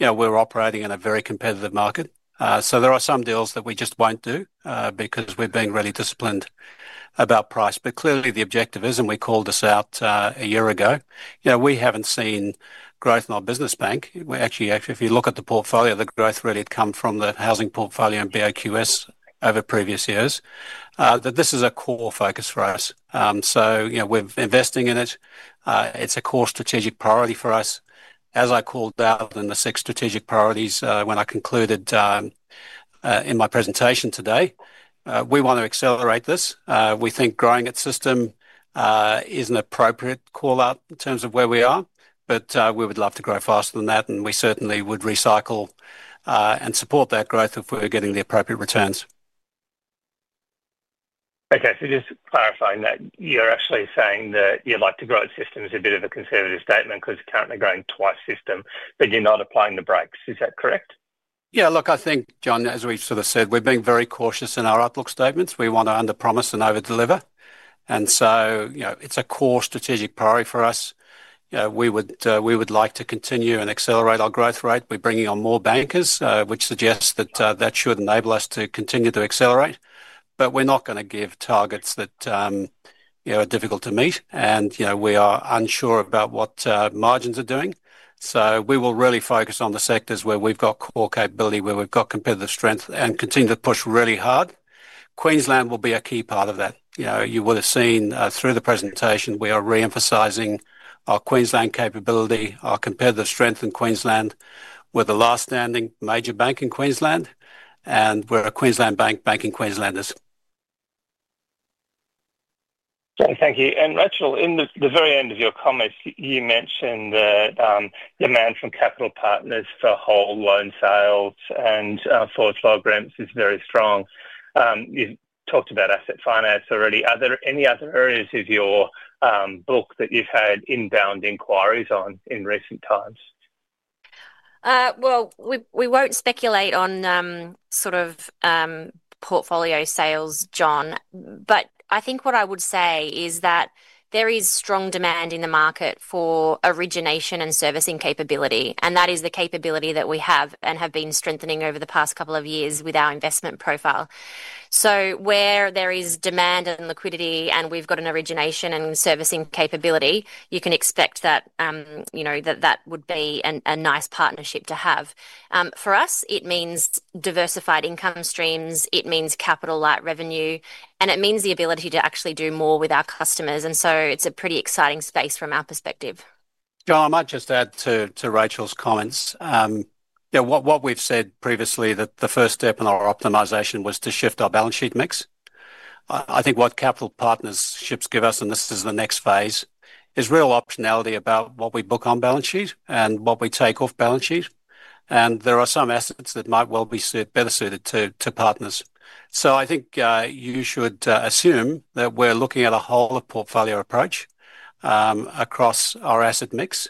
we're operating in a very competitive market. There are some deals that we just won't do because we're being really disciplined about price. Clearly, the objective is, and we called this out a year ago, we haven't seen growth in our business bank. Actually, if you look at the portfolio, the growth really had come from the housing portfolio and BOQ's over previous years. This is a core focus for us. We're investing in it. It's a core strategic priority for us. As I called out in the six strategic priorities when I concluded in my presentation today, we want to accelerate this. We think growing at system is an appropriate call out in terms of where we are, but we would love to grow faster than that, and we certainly would recycle and support that growth if we're getting the appropriate returns. Okay, just clarifying that you're actually saying that you'd like to grow at system is a bit of a conservative statement because you're currently growing twice system, but you're not applying the brakes. Is that correct? Yeah, look, I think, John, as we sort of said, we're being very cautious in our outlook statements. We want to under-promise and over-deliver, and it's a core strategic priority for us. We would like to continue and accelerate our growth rate. We're bringing on more bankers, which suggests that should enable us to continue to accelerate. We're not going to give targets that are difficult to meet, and we are unsure about what margins are doing. We will really focus on the sectors where we've got core capability, where we've got competitive strength, and continue to push really hard. Queensland will be a key part of that. You would have seen through the presentation, we are re-emphasizing our Queensland capability, our competitive strength in Queensland. We're the last standing major bank in Queensland, and we're a Queensland bank banking Queenslanders. Thank you. Racheal, in the very end of your comments, you mentioned that demand from capital partners for whole loan sales and foreclosure grips is very strong. You've talked about asset finance already. Are there any other areas of your book that you've had inbound inquiries on in recent times? I think what I would say is that there is strong demand in the market for origination and servicing capability, and that is the capability that we have and have been strengthening over the past couple of years with our investment profile. Where there is demand and liquidity and we've got an origination and servicing capability, you can expect that that would be a nice partnership to have. For us, it means diversified income streams, it means capital light revenue, and it means the ability to actually do more with our customers. It's a pretty exciting space from our perspective. John, I might just add to Racheal's comments. What we've said previously is that the first step in our optimization was to shift our balance sheet mix. I think what capital partnerships give us, and this is the next phase, is real optionality about what we book on balance sheet and what we take off balance sheet. There are some assets that might well be better suited to partners. I think you should assume that we're looking at a whole portfolio approach across our asset mix,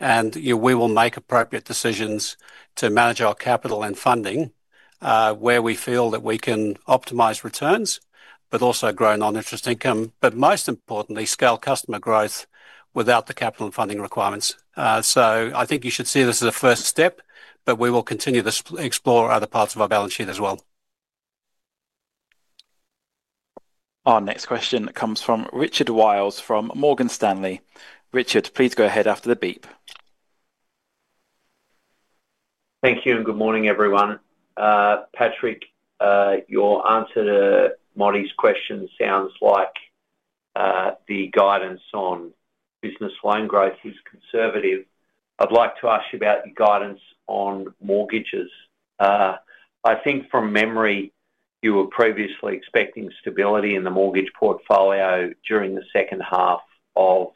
and we will make appropriate decisions to manage our capital and funding where we feel that we can optimize returns, but also grow non-interest income, most importantly, scale customer growth without the capital and funding requirements. I think you should see this as a first step, and we will continue to explore other parts of our balance sheet as well. Our next question comes from Richard Wiles from Morgan Stanley. Richard, please go ahead after the beep. Thank you and good morning, everyone. Patrick, your answer to Marty's question sounds like the guidance on business loan growth is conservative. I'd like to ask you about your guidance on mortgages. I think from memory, you were previously expecting stability in the mortgage portfolio during the second half of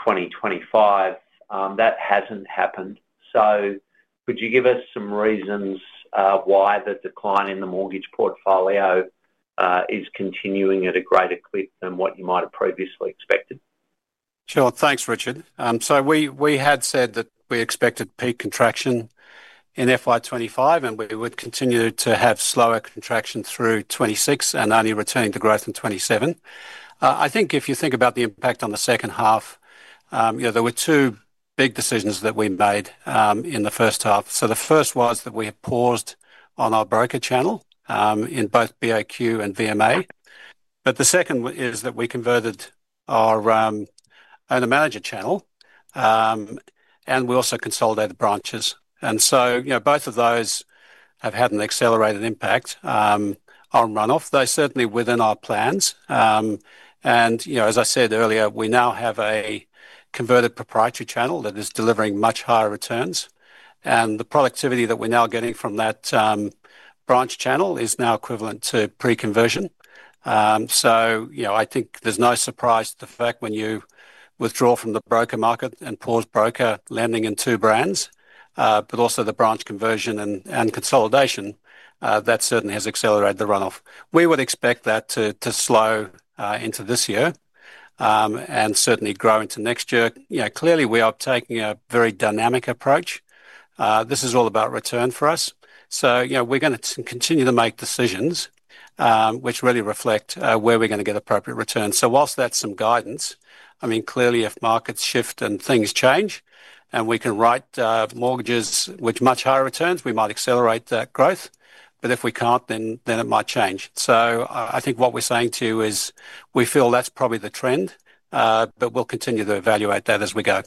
2025. That hasn't happened. Could you give us some reasons why the decline in the mortgage portfolio is continuing at a greater clip than what you might have previously expected? Sure, thanks, Richard. We had said that we expected peak contraction in FY 2025, and we would continue to have slower contraction through 2026 and only returning to growth in 2027. If you think about the impact on the second half, there were two big decisions that we made in the first half. The first was that we had paused on our broker channel in both BOQ and VMA. The second is that we converted our owner-manager channel, and we also consolidated the branches. Both of those have had an accelerated impact on runoff. They're certainly within our plans. As I said earlier, we now have a converted proprietary channel that is delivering much higher returns. The productivity that we're now getting from that branch channel is now equivalent to pre-conversion. There is no surprise to the fact when you withdraw from the broker market and pause broker lending in two brands, but also the branch conversion and consolidation, that certainly has accelerated the runoff. We would expect that to slow into this year and certainly grow into next year. Clearly, we are taking a very dynamic approach. This is all about return for us. We're going to continue to make decisions which really reflect where we're going to get appropriate returns. Whilst that's some guidance, clearly if markets shift and things change and we can write mortgages with much higher returns, we might accelerate that growth. If we can't, then it might change. What we're saying to you is we feel that's probably the trend, but we'll continue to evaluate that as we go.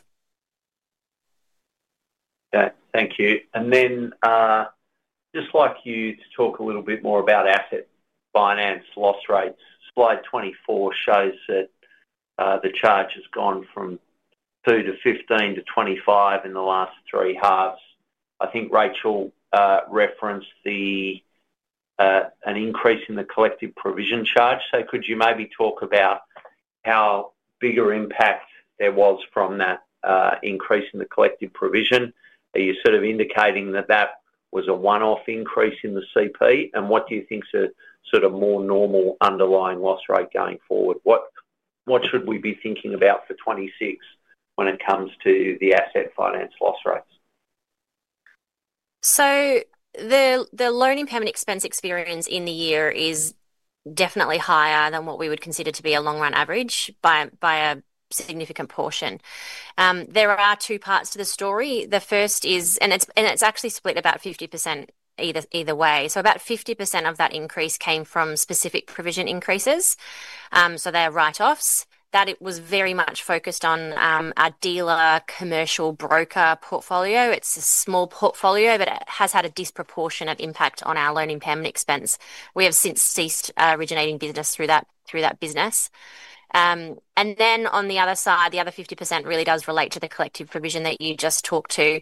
Thank you. I'd like you to talk a little bit more about asset finance loss rates. Slide 24 shows that the charge has gone from 2 to 15 to 25 in the last three halves. I think Racheal referenced an increase in the collective provision charge. Could you maybe talk about how big an impact there was from that increase in the collective provision? Are you indicating that that was a one-off increase in the collective provision? What do you think is a more normal underlying loss rate going forward? What should we be thinking about for 2026 when it comes to the asset finance loss rates? The loan impairment expense experience in the year is definitely higher than what we would consider to be a long-run average by a significant portion. There are two parts to the story. The first is, and it's actually split about 50% either way. About 50% of that increase came from specific provision increases. They are write-offs. That was very much focused on our dealer commercial broker portfolio. It's a small portfolio, but it has had a disproportionate impact on our loan impairment expense. We have since ceased originating business through that business. On the other side, the other 50% really does relate to the collective provision that you just talked to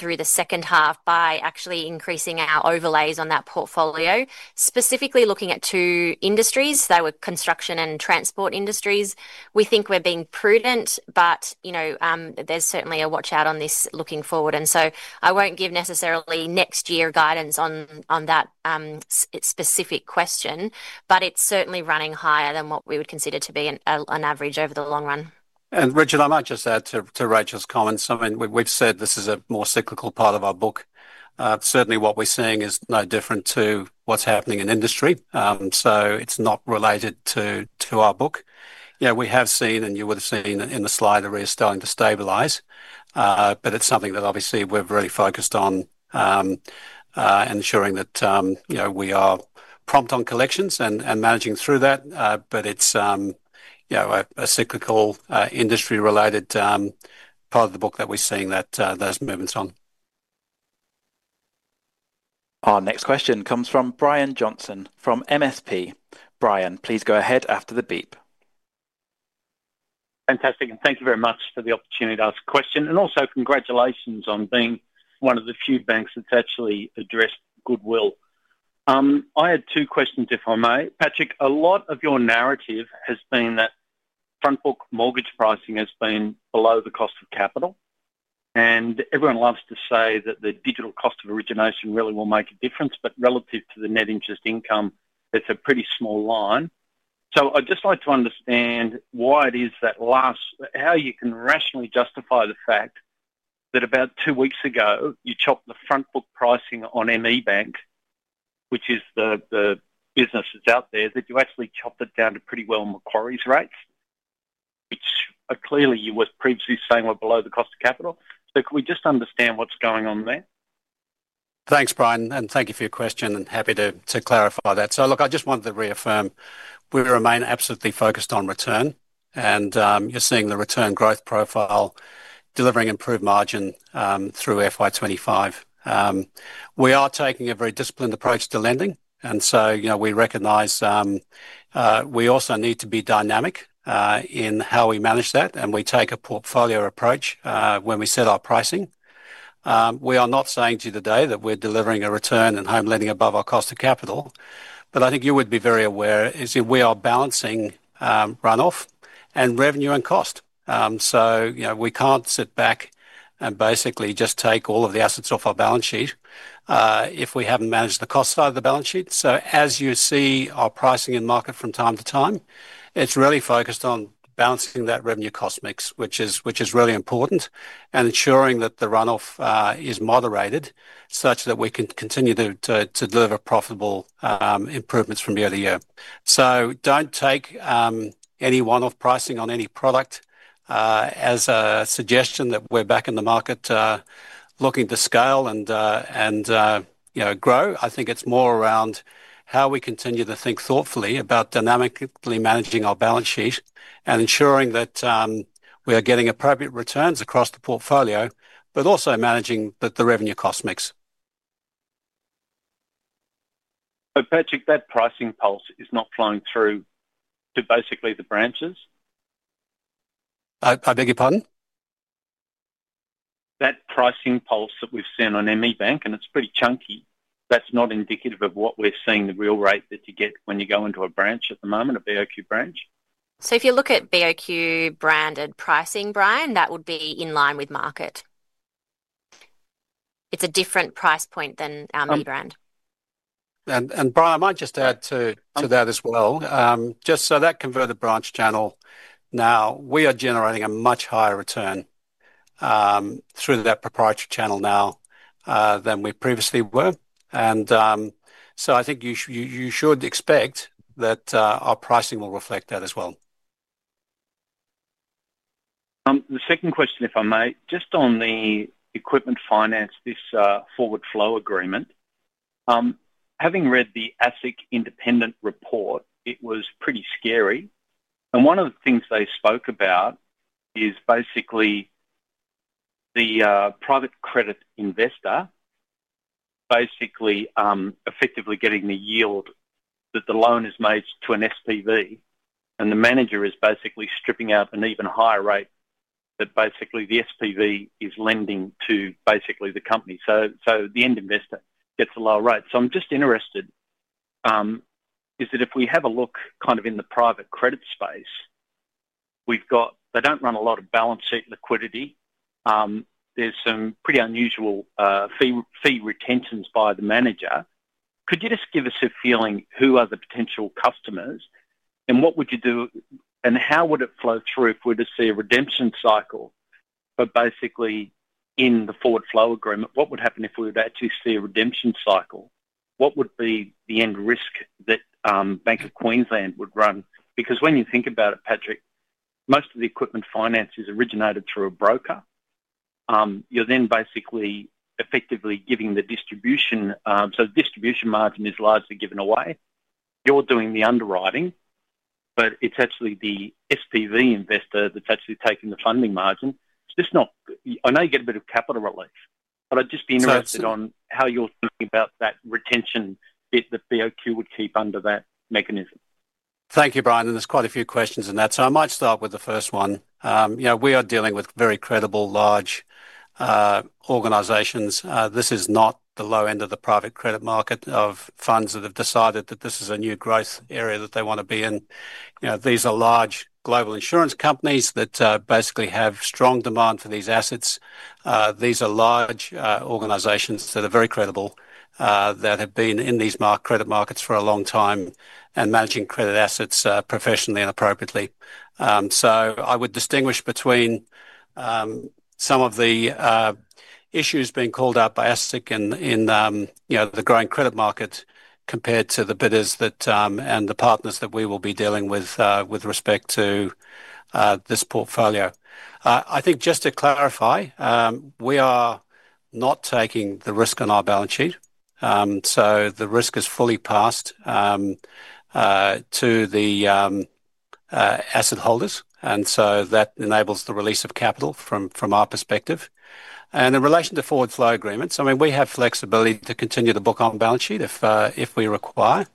through the second half by actually increasing our overlays on that portfolio, specifically looking at two industries. They were construction and transport industries. We think we're being prudent, but you know there's certainly a watch out on this looking forward. I won't give necessarily next year guidance on that specific question, but it's certainly running higher than what we would consider to be an average over the long run. Richard, I might just add to Racheal's comments. We've said this is a more cyclical part of our book. Certainly, what we're seeing is no different to what's happening in industry. It's not related to our book. We have seen, and you would have seen in the slide, that we are starting to stabilize, but it's something that we're really focused on and ensuring that we are prompt on collections and managing through that. It's a cyclical industry-related part of the book that we're seeing those movements on. Our next question comes from Brian Johnson from MST. Brian, please go ahead after the beep. Fantastic, and thank you very much for the opportunity to ask a question. Also, congratulations on being one of the few banks that's actually addressed goodwill. I had two questions, if I may. Patrick, a lot of your narrative has been that front book mortgage pricing has been below the cost of capital. Everyone loves to say that the digital cost of origination really will make a difference, but relative to the net interest income, it's a pretty small line. I'd just like to understand why it is that last, how you can rationally justify the fact that about two weeks ago, you chopped the front book pricing on ME Bank, which is the business that's out there, that you actually chopped it down to pretty well in Macquarie's rates, which clearly you were previously saying were below the cost of capital. Could we just understand what's going on there? Thanks, Brian, and thank you for your question, and happy to clarify that. I just wanted to reaffirm we remain absolutely focused on return, and you're seeing the return growth profile delivering improved margin through FY 2025. We are taking a very disciplined approach to lending, and we recognize we also need to be dynamic in how we manage that, and we take a portfolio approach when we set our pricing. We are not saying to you today that we're delivering a return in home lending above our cost of capital, but I think you would be very aware we are balancing runoff and revenue and cost. We can't sit back and basically just take all of the assets off our balance sheet if we haven't managed the cost side of the balance sheet. As you see our pricing in market from time to time, it's really focused on balancing that revenue cost mix, which is really important, and ensuring that the runoff is moderated such that we can continue to deliver profitable improvements from year to year. Don't take any one-off pricing on any product as a suggestion that we're back in the market looking to scale and grow. I think it's more around how we continue to think thoughtfully about dynamically managing our balance sheet and ensuring that we are getting appropriate returns across the portfolio, but also managing the revenue cost mix. Patrick, that pricing pulse is not flowing through to basically the branches? I beg your pardon? That pricing pulse that we've seen on ME Bank, and it's pretty chunky, that's not indicative of what we're seeing, the real rate that you get when you go into a branch at the moment, a BOQ branch? If you look at BOQ branded pricing, Brian, that would be in line with market. It's a different price point than our new brand. Brian, I might just add to that as well. Just so that converted branch channel now, we are generating a much higher return through that proprietary channel now than we previously were. I think you should expect that our pricing will reflect that as well. The second question, if I may, just on the equipment finance, this forward flow agreement. Having read the ASIC independent report, it was pretty scary. One of the things they spoke about is basically the private credit investor effectively getting the yield that the loan is made to an SPV, and the manager is basically stripping out an even higher rate that the SPV is lending to the company. The end investor gets a lower rate. I'm just interested, if we have a look in the private credit space, they don't run a lot of balance sheet liquidity. There are some pretty unusual fee retentions by the manager. Could you just give us a feeling who are the potential customers and what would you do and how would it flow through if we were to see a redemption cycle? In the forward flow agreement, what would happen if we were to actually see a redemption cycle? What would be the end risk that Bank of Queensland would run? When you think about it, Patrick, most of the equipment finance is originated through a broker. You're then effectively giving the distribution. The distribution margin is largely given away. You're doing the underwriting, but it's actually the SPV investor that's taking the funding margin. I know you get a bit of capital relief, but I'd just be interested on how you're thinking about that retention bit that BOQ would keep under that mechanism. Thank you, Brian. There are quite a few questions in that. I might start with the first one. We are dealing with very credible, large organizations. This is not the low end of the private credit market of funds that have decided that this is a new growth area that they want to be in. These are large global insurance companies that basically have strong demand for these assets. These are large organizations that are very credible, that have been in these credit markets for a long time and managing credit assets professionally and appropriately. I would distinguish between some of the issues being called out by ASIC in the growing credit market compared to the bidders and the partners that we will be dealing with with respect to this portfolio. Just to clarify, we are not taking the risk on our balance sheet. The risk is fully passed to the asset holders, and that enables the release of capital from our perspective. In relation to forward flow agreements, we have flexibility to continue to book on balance sheet if we require.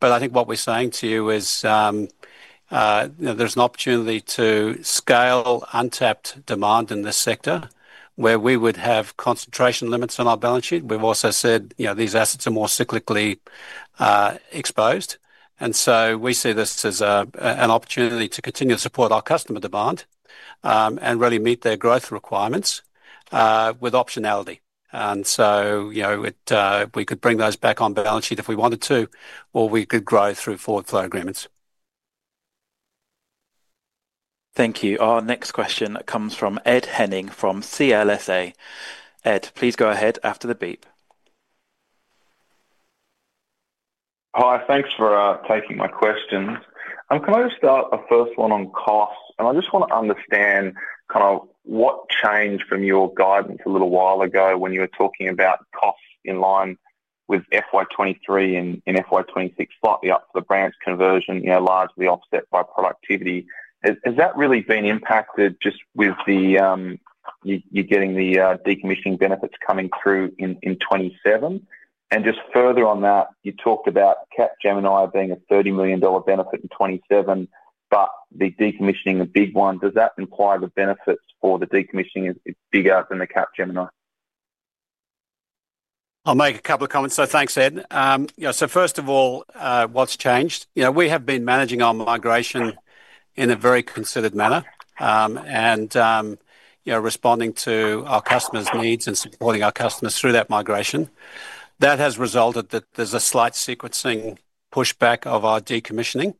What we're saying to you is there's an opportunity to scale untapped demand in this sector where we would have concentration limits on our balance sheet. We've also said these assets are more cyclically exposed. We see this as an opportunity to continue to support our customer demand and really meet their growth requirements with optionality. We could bring those back on balance sheet if we wanted to, or we could grow through forward flow agreements. Thank you. Our next question comes from Ed Henning from CLSA. Ed, please go ahead after the beep. Hi, thanks for taking my questions. Can I just start a first one on cost? I just want to understand kind of what changed from your guidance a little while ago when you were talking about costs in line with FY 2023 and FY 2026, slightly up for the branch conversion, largely offset by productivity. Has that really been impacted just with you getting the decommissioning benefits coming through in 2027? Just further on that, you talked about Capgemini being a $30 million benefit in 2027, but the decommissioning is a big one. Does that imply the benefits for the decommissioning is bigger than the Capgemini? I'll make a couple of comments. Thanks, Ed. First of all, what's changed? We have been managing our migration in a very considered manner and responding to our customers' needs and supporting our customers through that migration. That has resulted in a slight sequencing pushback of our decommissioning.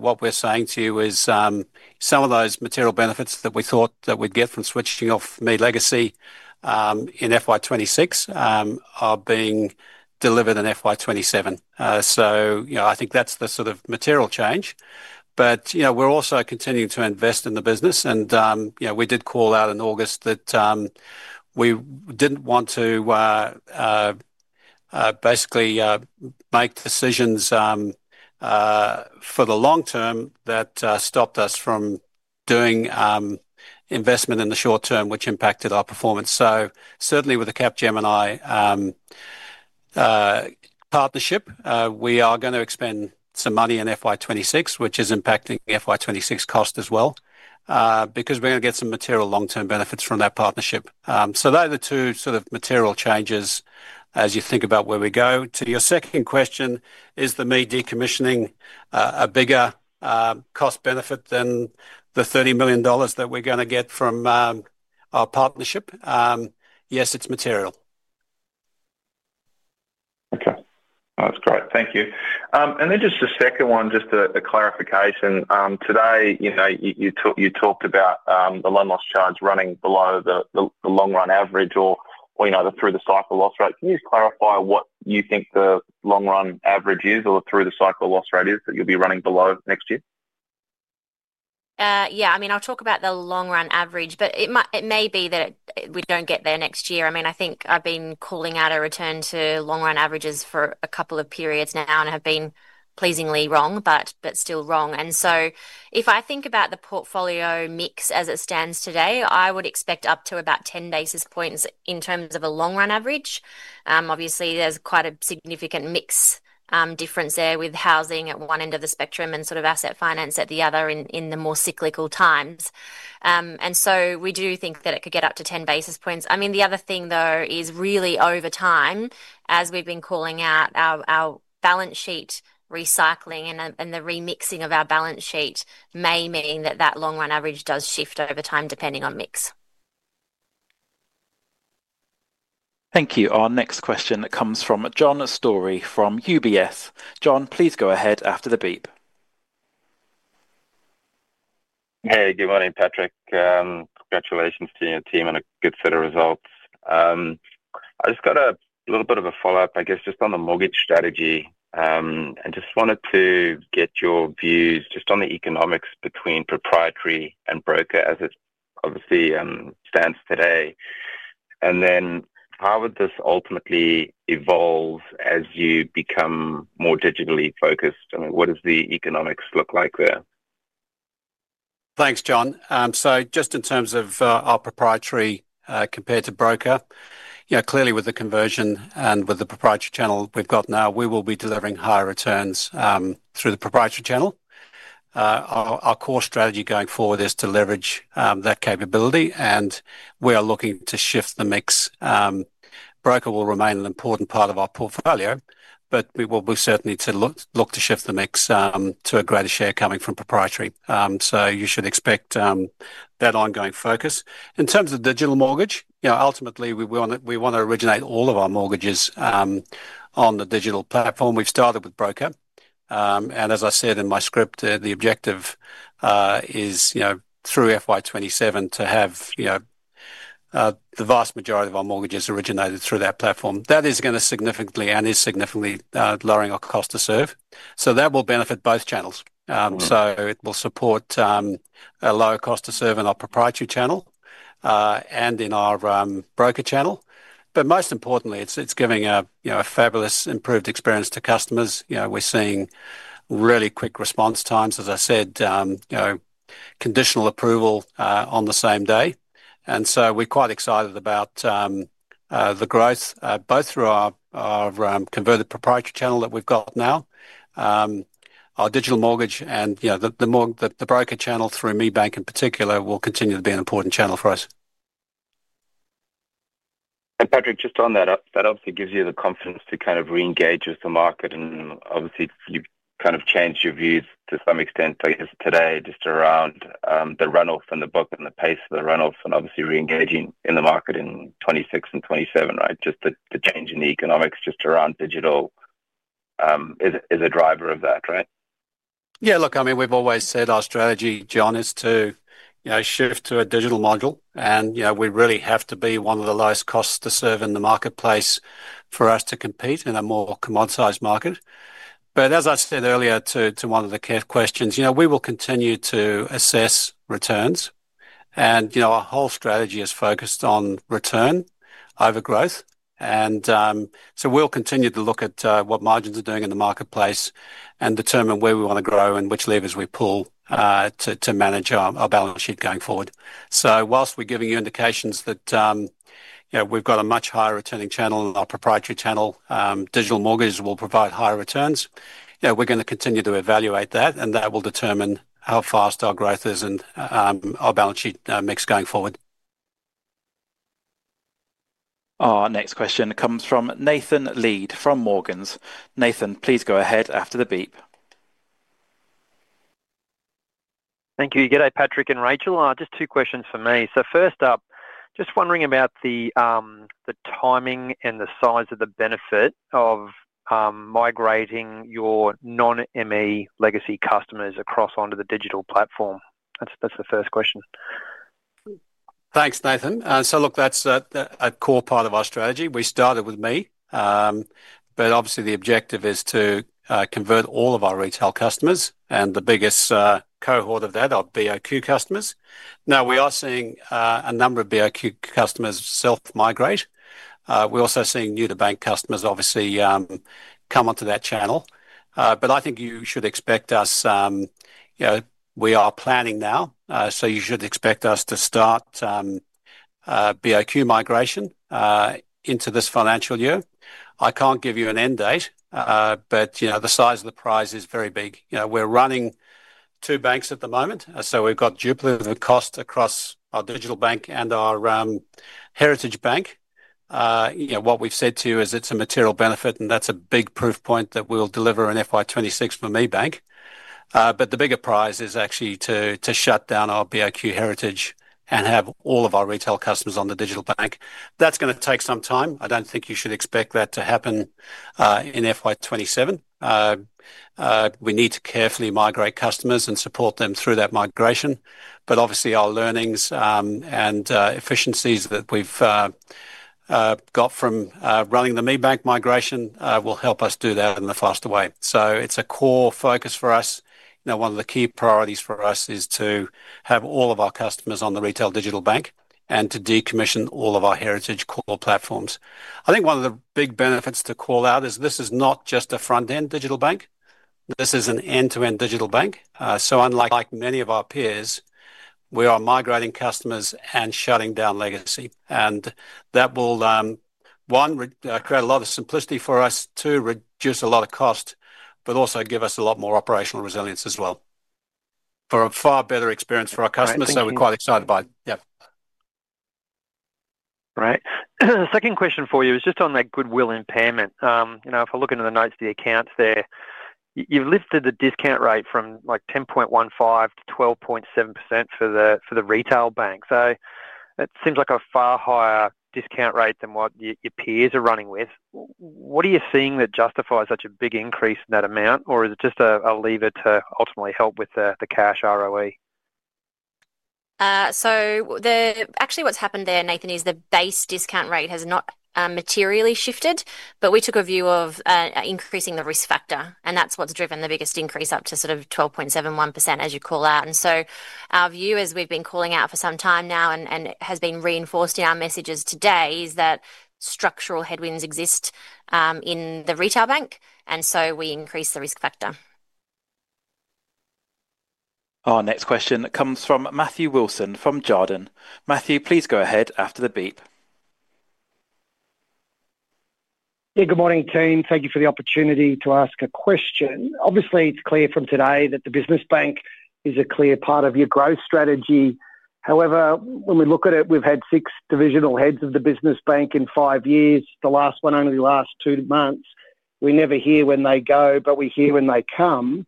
What we're saying to you is some of those material benefits that we thought that we'd get from switching off ME legacy in FY 2026 are being delivered in FY 2027. I think that's the sort of material change. We're also continuing to invest in the business. We did call out in August that we didn't want to basically make decisions for the long term that stopped us from doing investment in the short term, which impacted our performance. Certainly with the Capgemini partnership, we are going to expend some money in FY 2026, which is impacting FY 2026 cost as well, because we're going to get some material long-term benefits from that partnership. Those are the two sort of material changes as you think about where we go. To your second question, is the ME decommissioning a bigger cost benefit than the $30 million that we're going to get from our partnership? Yes, it's material. Okay, that's great. Thank you. Just the second one, just a clarification. Today, you talked about the loan loss charge running below the long-run average or through-the-cycle loss rate. Can you just clarify what you think the long-run average is or the through-the-cycle loss rate is that you'll be running below next year? Yeah, I mean, I'll talk about the long-run average, but it may be that we don't get there next year. I think I've been calling out a return to long-run averages for a couple of periods now and have been pleasingly wrong, but still wrong. If I think about the portfolio mix as it stands today, I would expect up to about 10 basis points in terms of a long-run average. Obviously, there's quite a significant mix difference there with housing at one end of the spectrum and sort of asset finance at the other in the more cyclical times. We do think that it could get up to 10 basis points. The other thing though is really over time, as we've been calling out our balance sheet recycling and the remixing of our balance sheet may mean that that long-run average does shift over time depending on mix. Thank you. Our next question comes from John Story from UBS. John, please go ahead after the beep. Good morning, Patrick. Congratulations to your team and a good set of results. I just got a little bit of a follow-up, I guess, just on the mortgage strategy and wanted to get your views on the economics between proprietary and broker as it obviously stands today. How would this ultimately evolve as you become more digitally focused? What does the economics look like there? Thanks, John. Just in terms of our proprietary compared to broker, clearly with the conversion and with the proprietary channel we've got now, we will be delivering higher returns through the proprietary channel. Our core strategy going forward is to leverage that capability, and we are looking to shift the mix. Broker will remain an important part of our portfolio, but we will certainly look to shift the mix to a greater share coming from proprietary. You should expect that ongoing focus. In terms of digital mortgage, ultimately we want to originate all of our mortgages on the digital banking platform. We've started with broker. As I said in my script, the objective is through FY 2027 to have the vast majority of our mortgages originated through that platform. That is going to significantly, and is significantly, lowering our cost to serve. That will benefit both channels. It will support a lower cost to serve in our proprietary channel and in our broker channel. Most importantly, it's giving a fabulous improved experience to customers. We're seeing really quick response times, as I said, conditional approval on the same day. We're quite excited about the growth, both through our converted proprietary channel that we've got now, our digital mortgage, and the broker channel through ME Bank in particular will continue to be an important channel for us. Patrick, just on that, that obviously gives you the confidence to kind of re-engage with the market. You've kind of changed your views to some extent, I guess, today just around the runoff and the book and the pace of the runoff and obviously re-engaging in the market in 2026 and 2027, right? The change in the economics just around digital is a driver of that, right? Yeah, look, I mean, we've always said our strategy, John, is to shift to a digital model. We really have to be one of the lowest costs to serve in the marketplace for us to compete in a more commoditized market. As I said earlier to one of the questions, we will continue to assess returns. Our whole strategy is focused on return over growth. We'll continue to look at what margins are doing in the marketplace and determine where we want to grow and which levers we pull to manage our balance sheet going forward. Whilst we're giving you indications that we've got a much higher returning channel in our proprietary channel, digital mortgages will provide higher returns. We're going to continue to evaluate that, and that will determine how fast our growth is and our balance sheet mix going forward. Our next question comes from Nathan Lead from Morgans. Nathan, please go ahead after the beep. Thank you. G'day, Patrick and Racheal. Just two questions for me. First up, just wondering about the timing and the size of the benefit of migrating your non-ME legacy customers across onto the digital banking platform. That's the first question. Thanks, Nathan. That's a core part of our strategy. We started with ME, but obviously the objective is to convert all of our retail customers. The biggest cohort of that are BOQ customers. We are seeing a number of BOQ customers self-migrate. We're also seeing new-to-bank customers come onto that channel. I think you should expect us, we are planning now, so you should expect us to start BOQ migration into this financial year. I can't give you an end date, but the size of the prize is very big. We're running two banks at the moment. We've got duplicate of the cost across our digital bank and our heritage bank. What we've said to you is it's a material benefit, and that's a big proof point that we'll deliver in FY 2026 for ME Bank. The bigger prize is actually to shut down our BOQ heritage and have all of our retail customers on the digital bank. That's going to take some time. I don't think you should expect that to happen in FY 2027. We need to carefully migrate customers and support them through that migration. Obviously, our learnings and efficiencies that we've got from running the ME Bank migration will help us do that in a faster way. It's a core focus for us. One of the key priorities for us is to have all of our customers on the retail digital bank and to decommission all of our heritage core platforms. I think one of the big benefits to call out is this is not just a front-end digital bank. This is an end-to-end digital bank. Unlike many of our peers, we are migrating customers and shutting down legacy. That will, one, create a lot of simplicity for us, two, reduce a lot of cost, but also give us a lot more operational resilience as well. For a far better experience for our customers, so we're quite excited by it. Yeah. Right. The second question for you is just on that goodwill impairment. If I look into the notes of the accounts there, you've lifted the discount rate from 10.15%-12.7% for the retail bank. It seems like a far higher discount rate than what your peers are running with. What are you seeing that justifies such a big increase in that amount, or is it just a lever to ultimately help with the cash ROE? What's happened there, Nathan, is the base discount rate has not materially shifted, but we took a view of increasing the risk factor, and that's what's driven the biggest increase up to 12.71% as you call out. Our view, as we've been calling out for some time now and has been reinforced in our messages today, is that structural headwinds exist in the retail bank, and so we increase the risk factor. Our next question comes from Matthew Wilson from Jarden. Matthew, please go ahead after the beep. Good morning team. Thank you for the opportunity to ask a question. Obviously, it's clear from today that the business bank is a clear part of your growth strategy. However, when we look at it, we've had six divisional heads of the business bank in five years, the last one only lasted two months. We never hear when they go, but we hear when they come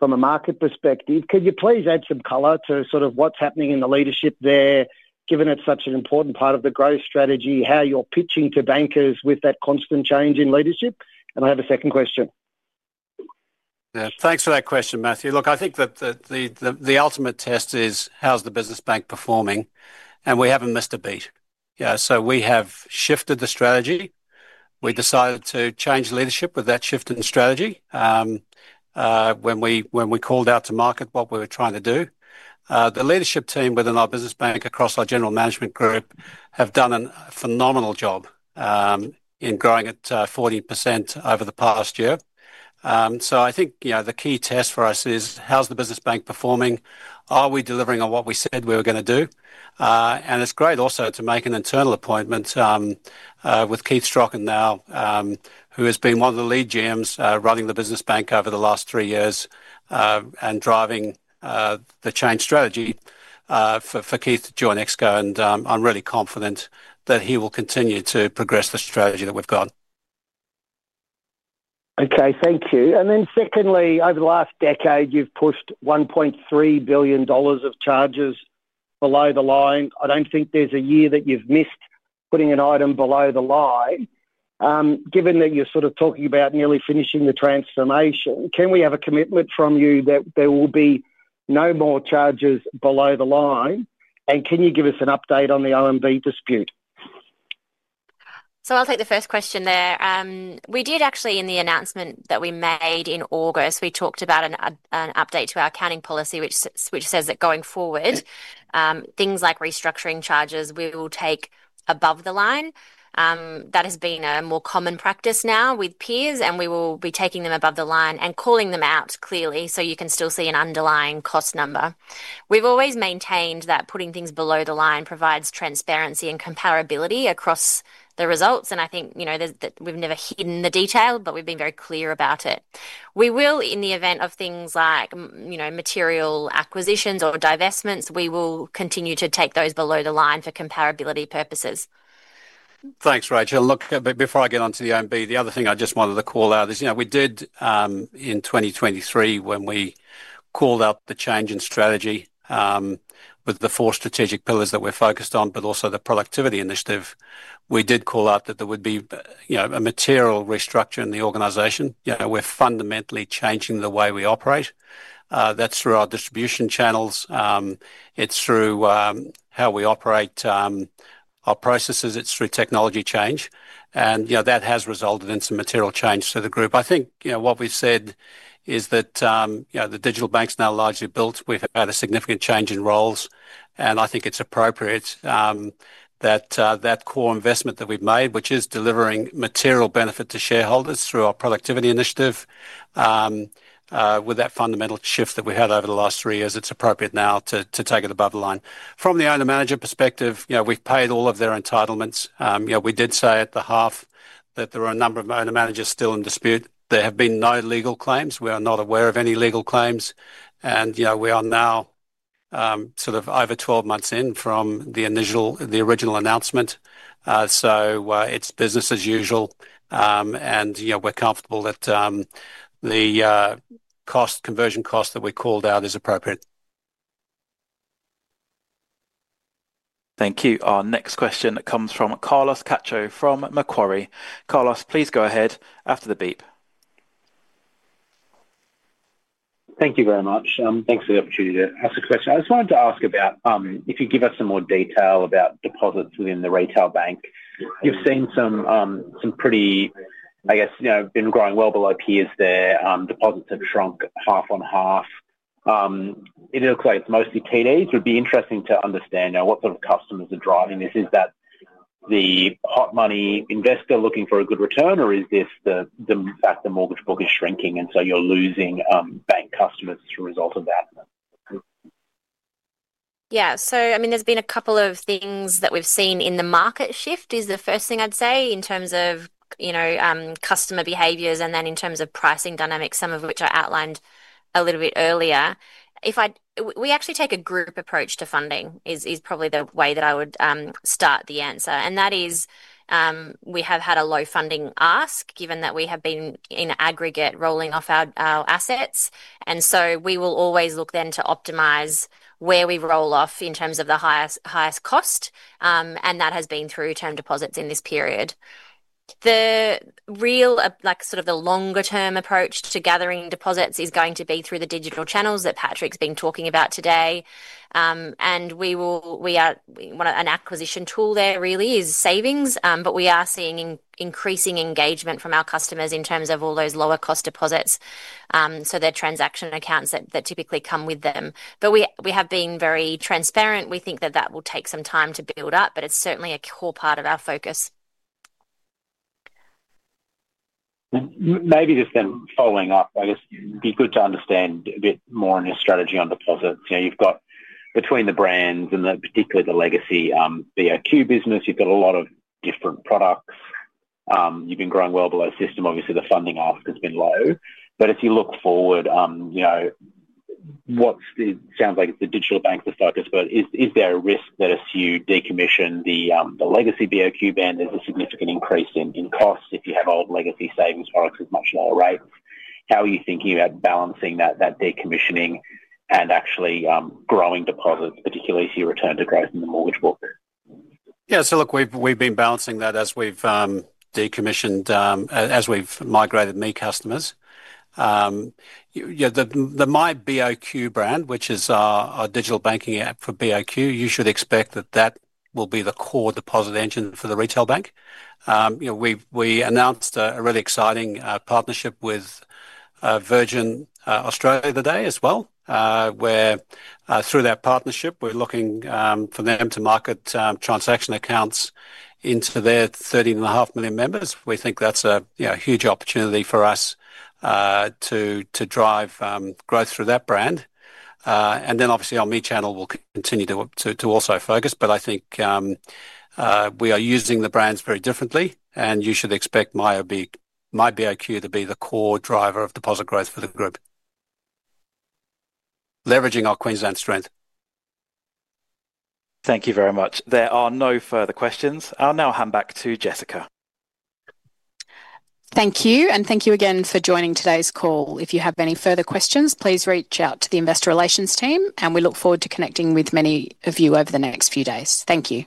from a market perspective. Could you please add some color to what's happening in the leadership there, given it's such an important part of the growth strategy, how you're pitching to bankers with that constant change in leadership? I have a second question. Yeah, thanks for that question, Matthew. Look, I think that the ultimate test is how's the business bank performing, and we haven't missed a beat. We have shifted the strategy. We decided to change leadership with that shift in strategy. When we called out to market what we were trying to do, the leadership team within our business bank across our General Management group have done a phenomenal job in growing at 40% over the past year. I think the key test for us is how's the business bank performing? Are we delivering on what we said we were going to do? It's great also to make an internal appointment with Keith Strachan now, who has been one of the lead GMs running the business bank over the last three years and driving the change strategy for Keith to join Exco. I'm really confident that he will continue to progress the strategy that we've got. Okay, thank you. Secondly, over the last decade, you've pushed $1.3 billion of charges below the line. I don't think there's a year that you've missed putting an item below the line. Given that you're sort of talking about nearly finishing the transformation, can we have a commitment from you that there will be no more charges below the line? Can you give us an update on the OMB dispute? I will take the first question there. We did actually, in the announcement that we made in August, talk about an update to our accounting policy, which says that going forward, things like restructuring charges we will take above the line. That has been a more common practice now with peers, and we will be taking them above the line and calling them out clearly so you can still see an underlying cost number. We've always maintained that putting things below the line provides transparency and comparability across the results. I think you know that we've never hidden the detail, but we've been very clear about it. We will, in the event of things like material acquisitions or divestments, continue to take those below the line for comparability purposes. Thanks, Racheal. Before I get onto the OMB, the other thing I just wanted to call out is, you know, we did, in 2023, when we called out the change in strategy, with the four strategic pillars that we're focused on, but also the productivity initiative, we did call out that there would be a material restructure in the organization. We're fundamentally changing the way we operate. That's through our distribution channels, it's through how we operate, our processes, it's through technology change. That has resulted in some material change to the group. I think what we've said is that the digital bank's now largely built without a significant change in roles. I think it's appropriate that core investment that we've made, which is delivering material benefit to shareholders through our productivity initiative, with that fundamental shift that we had over the last three years, it's appropriate now to take it above the line. From the owner-manager perspective, we've paid all of their entitlements. We did say at the half that there are a number of owner-managers still in dispute. There have been no legal claims. We are not aware of any legal claims. We are now over 12 months in from the original announcement. It's business as usual, and we're comfortable that the cost, conversion cost that we called out is appropriate. Thank you. Our next question comes from Carlos Cacho from Macquarie. Carlos, please go ahead after the beep. Thank you very much. Thanks for the opportunity to ask a question. I just wanted to ask about, if you give us some more detail about deposits within the retail bank. You've seen some pretty, I guess, you know, been growing well below peers there. Deposits have shrunk half on half. It looks like it's mostly TDs. It would be interesting to understand what sort of customers are driving this. Is that the hot money investor looking for a good return, or is this the fact the mortgage book is shrinking and so you're losing bank customers as a result of that? Yeah, so there's been a couple of things that we've seen in the market shift, is the first thing I'd say in terms of customer behaviors and then in terms of pricing dynamics, some of which I outlined a little bit earlier. If I, we actually take a group approach to funding is probably the way that I would start the answer. That is, we have had a low funding ask given that we have been in aggregate rolling off our assets. We will always look then to optimize where we roll off in terms of the highest cost, and that has been through term deposits in this period. The real, like sort of the longer-term approach to gathering deposits is going to be through the digital channels that Patrick's been talking about today. We are, an acquisition tool there really is savings, but we are seeing increasing engagement from our customers in terms of all those lower cost deposits, so their transaction accounts that typically come with them. We have been very transparent. We think that that will take some time to build up, but it's certainly a core part of our focus. Maybe just then following up, I guess it'd be good to understand a bit more on your strategy on deposits. You've got between the brands and particularly the legacy BOQ business, you've got a lot of different products. You've been growing well below system. Obviously, the funding ask has been low. If you look forward, you know, what sounds like it's the digital bank's the focus, but is there a risk that if you decommission the legacy BOQ brand, there's a significant increase in costs if you have old legacy savings products at much lower rates? How are you thinking about balancing that decommissioning and actually growing deposits, particularly if you return to growth in the mortgage book? Yeah, so look, we've been balancing that as we've decommissioned, as we've migrated ME customers. The My BOQ brand, which is our digital banking app for BOQ, you should expect that that will be the core deposit engine for the retail bank. You know, we announced a really exciting partnership with Virgin Australia today as well, where through that partnership, we're looking for them to market transaction accounts into their 13.5 million members. We think that's a huge opportunity for us to drive growth through that brand. Obviously, our ME channel will continue to also focus, but I think we are using the brands very differently and you should expect My BOQ to be the core driver of deposit growth for the group, leveraging our Queensland strength. Thank you very much. There are no further questions. I'll now hand back to Jessica. Thank you, and thank you again for joining today's call. If you have any further questions, please reach out to the Investor Relations team, and we look forward to connecting with many of you over the next few days. Thank you.